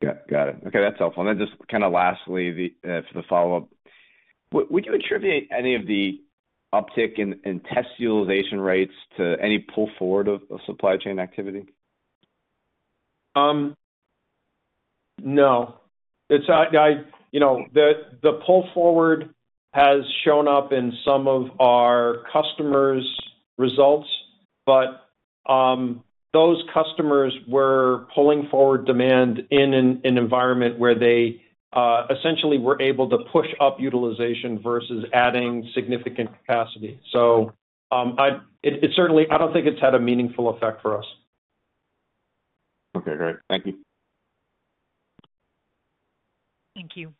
Got it. Okay. That's helpful. Lastly, for the follow-up, would you attribute any of the uptick in test utilization rates to any pull forward of supply chain activity? No. The pull forward has shown up in some of our customers' results, but those customers were pulling forward demand in an environment where they essentially were able to push up utilization versus adding significant capacity. I don't think it's had a meaningful effect for us. Okay. Great. Thank you. Thank you.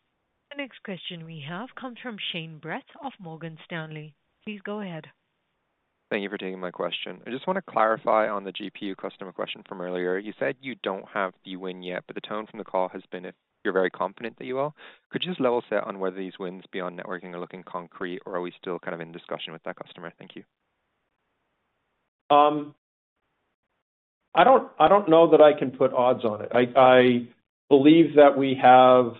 The next question we have comes from Shane Brett of Morgan Stanley. Please go ahead. Thank you for taking my question. I just want to clarify on the GPU customer question from earlier. You said you do not have the win yet, but the tone from the call has been you are very confident that you will. Could you just level set on whether these wins beyond networking are looking concrete, or are we still kind of in discussion with that customer? Thank you. I don't know that I can put odds on it. I believe that we have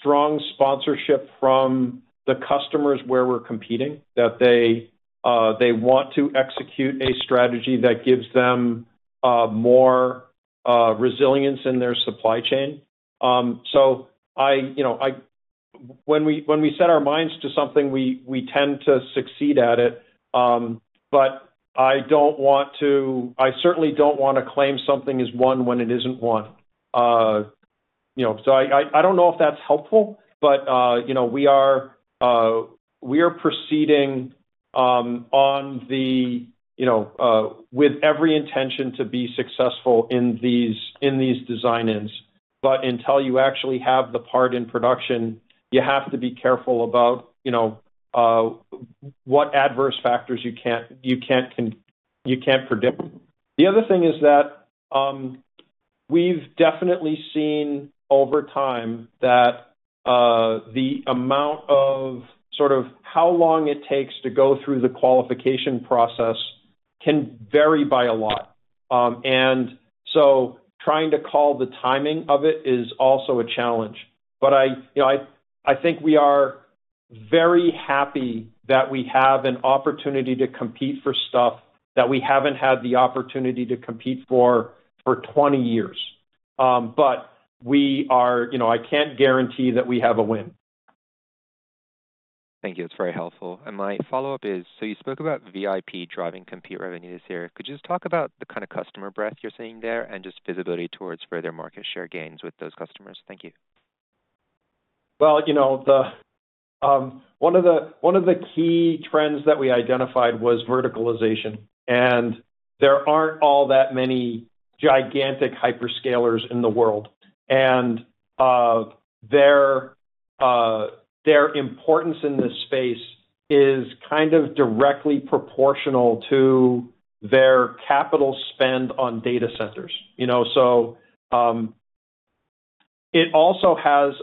strong sponsorship from the customers where we're competing, that they want to execute a strategy that gives them more resilience in their supply chain. When we set our minds to something, we tend to succeed at it. I don't want to—I certainly don't want to claim something is won when it isn't won. I don't know if that's helpful, but we are proceeding with every intention to be successful in these design ends. Until you actually have the part in production, you have to be careful about what adverse factors you can't predict. The other thing is that we've definitely seen over time that the amount of sort of how long it takes to go through the qualification process can vary by a lot. Trying to call the timing of it is also a challenge. I think we are very happy that we have an opportunity to compete for stuff that we haven't had the opportunity to compete for for 20 years. We are—I can't guarantee that we have a win. Thank you. That is very helpful. My follow-up is, you spoke about VIP driving compute revenue this year. Could you just talk about the kind of customer breadth you are seeing there and just visibility towards further market share gains with those customers? Thank you. One of the key trends that we identified was verticalization. There aren't all that many gigantic hyperscalers in the world. Their importance in this space is kind of directly proportional to their capital spend on data centers. It also has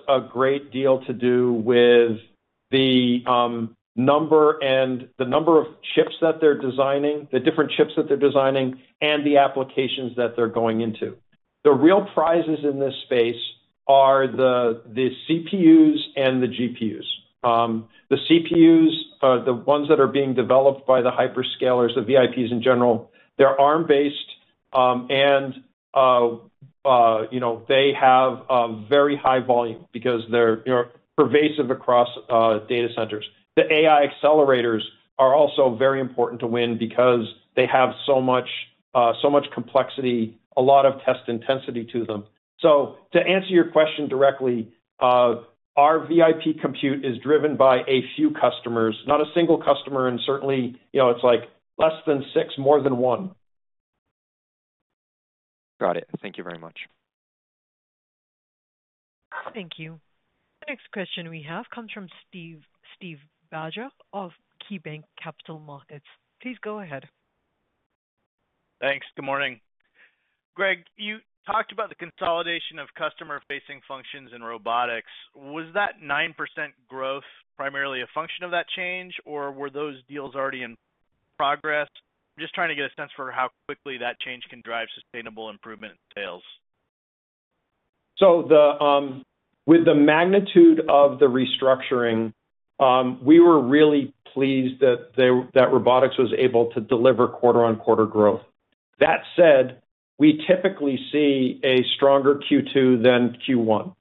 a great deal to do with the number and the number of chips that they're designing, the different chips that they're designing, and the applications that they're going into. The real prizes in this space are the CPUs and the GPUs. The CPUs, the ones that are being developed by the hyperscalers, the VIPs in general, they're ARM-based, and they have a very high volume because they're pervasive across data centers. The AI accelerators are also very important to win because they have so much complexity, a lot of test intensity to them. To answer your question directly, our VIP compute is driven by a few customers, not a single customer, and certainly it's like less than six, more than one. Got it. Thank you very much. Thank you. The next question we have comes from Steve Barger of KeyBank Capital Markets. Please go ahead. Thanks. Good morning. Greg, you talked about the consolidation of customer-facing functions in robotics. Was that 9% growth primarily a function of that change, or were those deals already in progress? I'm just trying to get a sense for how quickly that change can drive sustainable improvement in sales. With the magnitude of the restructuring, we were really pleased that robotics was able to deliver quarter-on-quarter growth. That said, we typically see a stronger Q2 than Q1.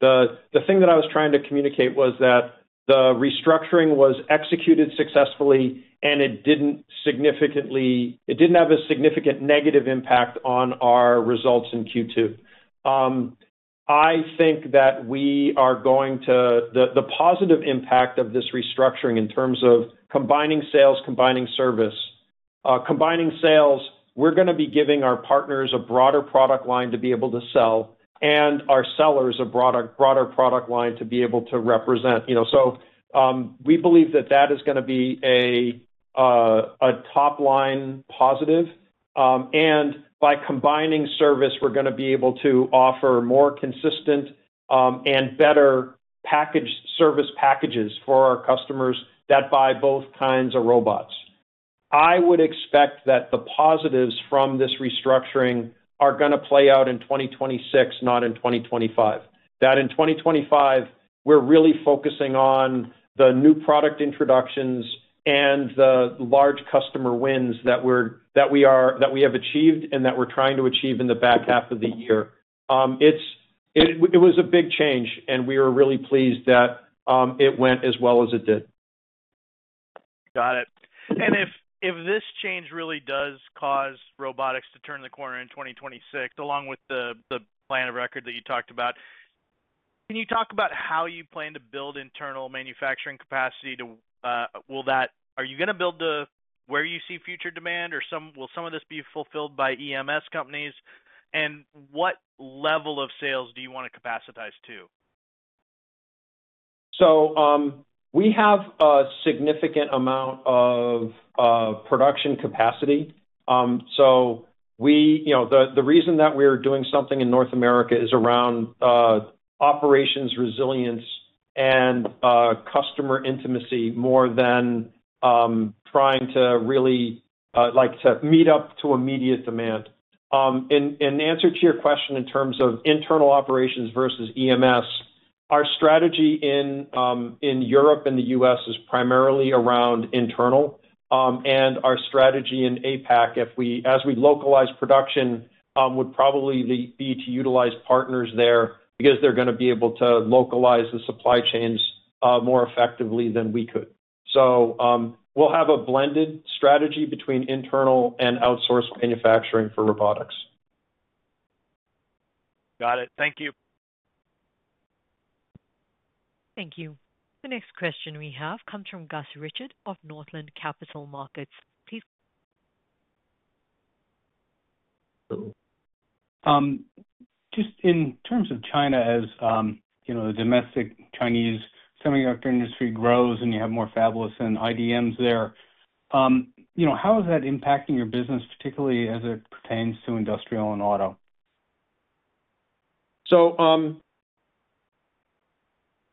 The thing that I was trying to communicate was that the restructuring was executed successfully, and it did not significantly—it did not have a significant negative impact on our results in Q2. I think that we are going to—the positive impact of this restructuring in terms of combining sales, combining service, combining sales, we are going to be giving our partners a broader product line to be able to sell and our sellers a broader product line to be able to represent. We believe that that is going to be a top-line positive. By combining service, we are going to be able to offer more consistent and better service packages for our customers that buy both kinds of robots. I would expect that the positives from this restructuring are going to play out in 2026, not in 2025. In 2025, we are really focusing on the new product introductions and the large customer wins that we have achieved and that we are trying to achieve in the back half of the year. It was a big change, and we were really pleased that it went as well as it did. Got it. If this change really does cause robotics to turn the corner in 2026, along with the plan of record that you talked about, can you talk about how you plan to build internal manufacturing capacity? Are you going to build where you see future demand, or will some of this be fulfilled by EMS companies? What level of sales do you want to capacitize to? We have a significant amount of production capacity. The reason that we're doing something in North America is around operations resilience and customer intimacy more than trying to really meet up to immediate demand. In answer to your question in terms of internal operations versus EMS, our strategy in Europe and the U.S. is primarily around internal. Our strategy in APAC, as we localize production, would probably be to utilize partners there because they're going to be able to localize the supply chains more effectively than we could. We'll have a blended strategy between internal and outsourced manufacturing for robotics. Got it. Thank you. Thank you. The next question we have comes from Gus Richard of Northland Capital Markets. Please. Just in terms of China, as the domestic Chinese semiconductor industry grows and you have more fabless and IDMs there, how is that impacting your business, particularly as it pertains to industrial and auto?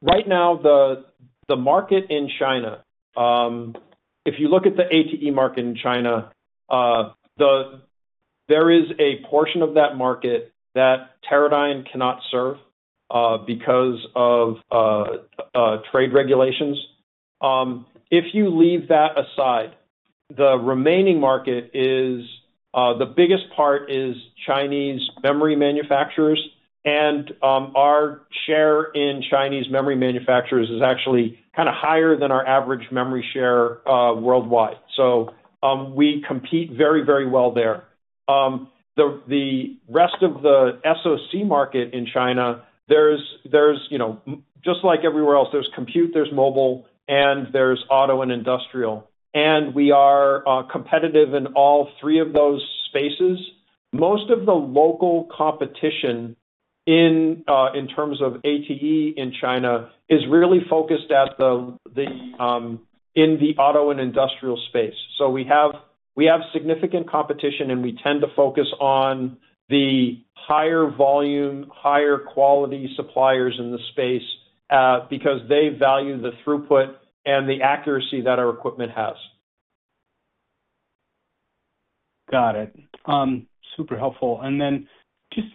Right now, the market in China. If you look at the ATE market in China, there is a portion of that market that Teradyne cannot serve because of trade regulations. If you leave that aside, the remaining market is, the biggest part is Chinese memory manufacturers. And our share in Chinese memory manufacturers is actually kind of higher than our average memory share worldwide. We compete very, very well there. The rest of the SOC market in China, there's, just like everywhere else, there's compute, there's mobile, and there's auto and industrial. We are competitive in all three of those spaces. Most of the local competition in terms of ATE in China is really focused at the auto and industrial space. We have significant competition, and we tend to focus on the higher volume, higher quality suppliers in the space because they value the throughput and the accuracy that our equipment has. Got it. Super helpful.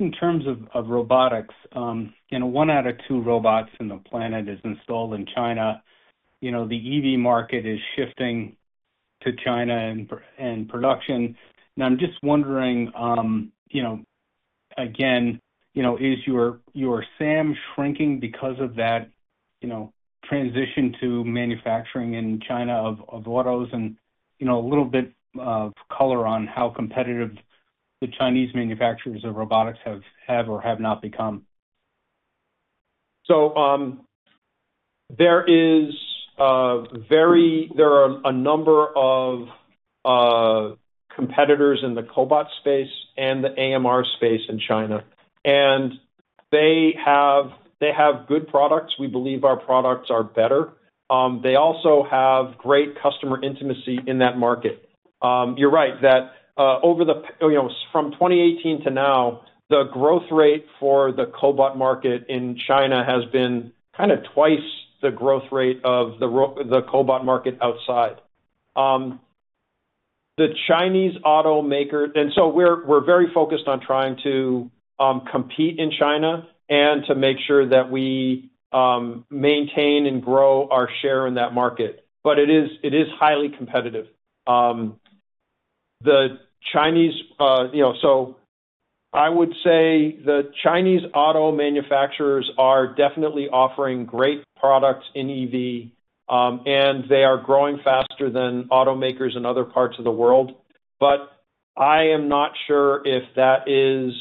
In terms of robotics, one out of two robots on the planet is installed in China. The EV market is shifting to China and production. I'm just wondering, is your SAM shrinking because of that transition to manufacturing in China of autos, and a little bit of color on how competitive the Chinese manufacturers of robotics have or have not become? There is a number of competitors in the cobot space and the AMR space in China. They have good products. We believe our products are better. They also have great customer intimacy in that market. You're right that from 2018 to now, the growth rate for the cobot market in China has been kind of twice the growth rate of the cobot market outside. The Chinese auto maker, and so we're very focused on trying to compete in China and to make sure that we maintain and grow our share in that market. It is highly competitive. I would say the Chinese auto manufacturers are definitely offering great products in EV. They are growing faster than auto makers in other parts of the world. I am not sure if that is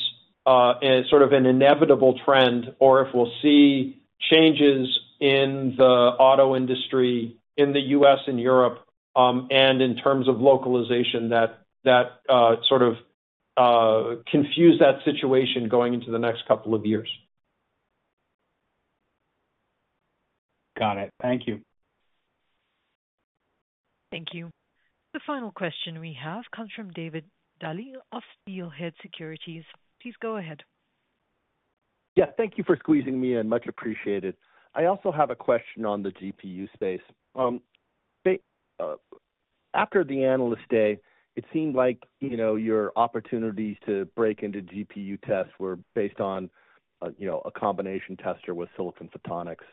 sort of an inevitable trend or if we'll see changes in the auto industry in the U.S. and Europe. In terms of localization, that sort of confuses that situation going into the next couple of years. Got it. Thank you. Thank you. The final question we have comes from David Duley of Steelhead Securities. Please go ahead. Yeah. Thank you for squeezing me in. Much appreciated. I also have a question on the GPU space. After the analyst day, it seemed like your opportunities to break into GPU tests were based on a combination tester with silicon photonics,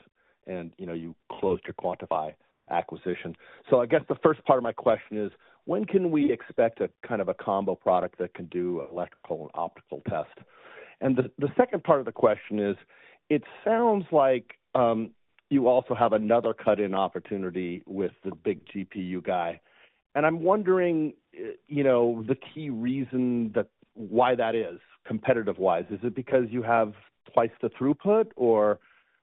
and you closed your Quantify Photonics acquisition. So I guess the first part of my question is, when can we expect a kind of a combo product that can do electrical and optical test? The second part of the question is, it sounds like you also have another cut-in opportunity with the big GPU guy. I'm wondering, the key reason why that is, competitive-wise. Is it because you have twice the throughput,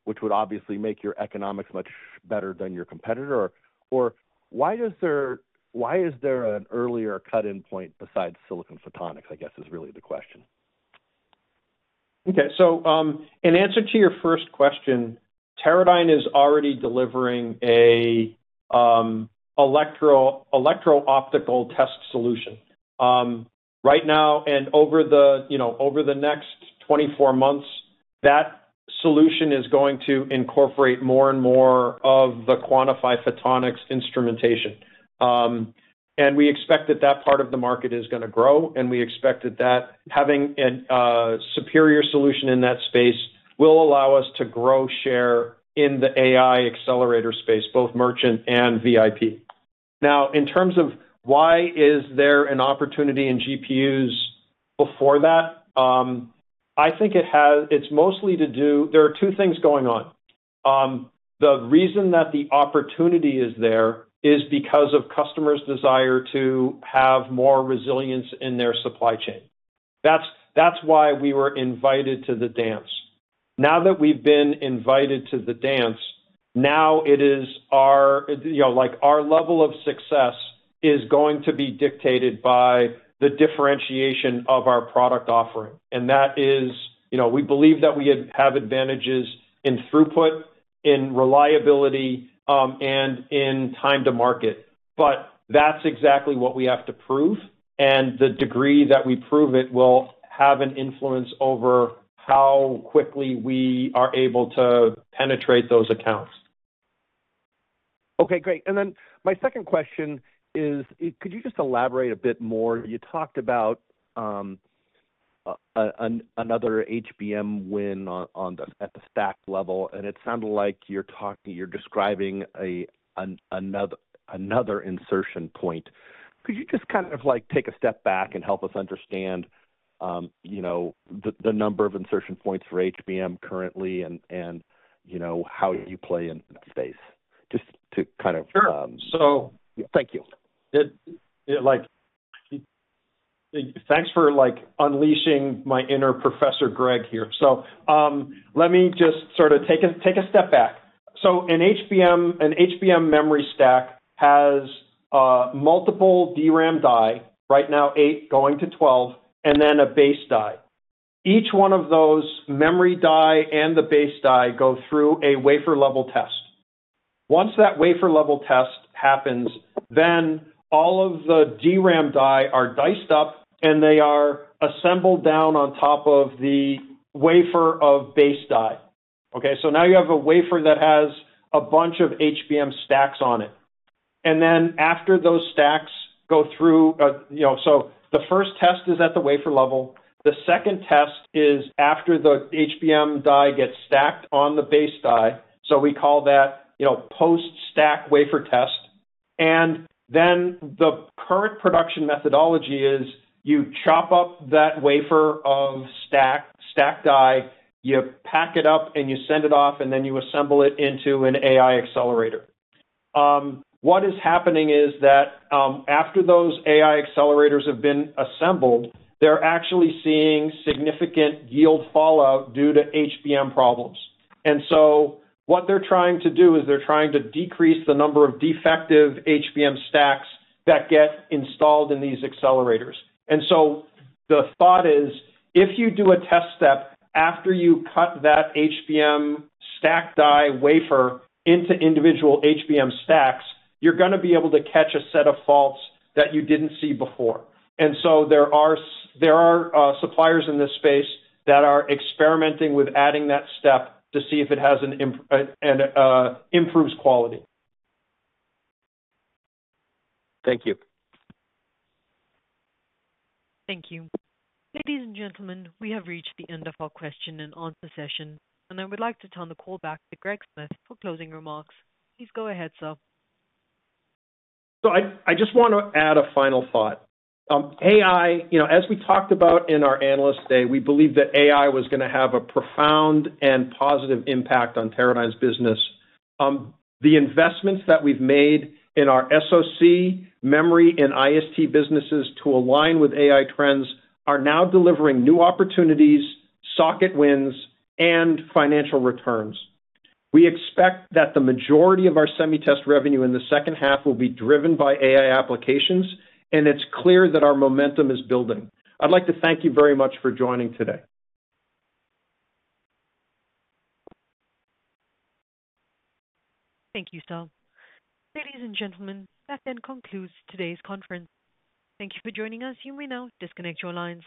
which would obviously make your economics much better than your competitor? Or why is there an earlier cut-in point besides silicon photonics, I guess, is really the question? Okay. So in answer to your first question, Teradyne is already delivering an electro-optical test solution. Right now and over the next 24 months, that solution is going to incorporate more and more of the Quantify Photonics instrumentation. And we expect that that part of the market is going to grow. And we expect that having a superior solution in that space will allow us to grow share in the AI accelerator space, both merchant and VIP. Now, in terms of why is there an opportunity in GPUs before that. I think it's mostly to do there are two things going on. The reason that the opportunity is there is because of customers' desire to have more resilience in their supply chain. That's why we were invited to the dance. Now that we've been invited to the dance, now it is our level of success is going to be dictated by the differentiation of our product offering. And that is we believe that we have advantages in throughput, in reliability, and in time to market. But that's exactly what we have to prove. And the degree that we prove it will have an influence over how quickly we are able to penetrate those accounts. Okay. Great. My second question is, could you just elaborate a bit more? You talked about another HBM win at the stack level, and it sounded like you're describing another insertion point. Could you just kind of take a step back and help us understand the number of insertion points for HBM currently and how you play in that space? Just to kind of. Sure. So. Thank you. Thanks for unleashing my inner Professor Greg here. Let me just sort of take a step back. An HBM memory stack has multiple DRAM die, right now eight going to twelve, and then a base die. Each one of those memory die and the base die go through a wafer-level test. Once that wafer-level test happens, all of the DRAM die are diced up, and they are assembled down on top of the wafer of base die. You have a wafer that has a bunch of HBM stacks on it. After those stacks go through, the first test is at the wafer level. The second test is after the HBM die gets stacked on the base die. We call that post-stack wafer test. The current production methodology is you chop up that wafer of stack die, you pack it up, and you send it off, and then you assemble it into an AI accelerator. What is happening is that after those AI accelerators have been assembled, they're actually seeing significant yield fallout due to HBM problems. What they're trying to do is decrease the number of defective HBM stacks that get installed in these accelerators. The thought is, if you do a test step after you cut that HBM stack die wafer into individual HBM stacks, you're going to be able to catch a set of faults that you did not see before. There are suppliers in this space that are experimenting with adding that step to see if it improves quality. Thank you. Thank you. Ladies and gentlemen, we have reached the end of our question and answer session. I would like to turn the call back to Greg Smith for closing remarks. Please go ahead, sir. I just want to add a final thought. AI, as we talked about in our analyst day, we believe that AI was going to have a profound and positive impact on Teradyne's business. The investments that we've made in our SOC, memory, and IST businesses to align with AI trends are now delivering new opportunities, socket wins, and financial returns. We expect that the majority of our semi-test revenue in the second half will be driven by AI applications, and it's clear that our momentum is building. I'd like to thank you very much for joining today. Thank you, sir. Ladies and gentlemen, that then concludes today's conference. Thank you for joining us. You may now disconnect your lines.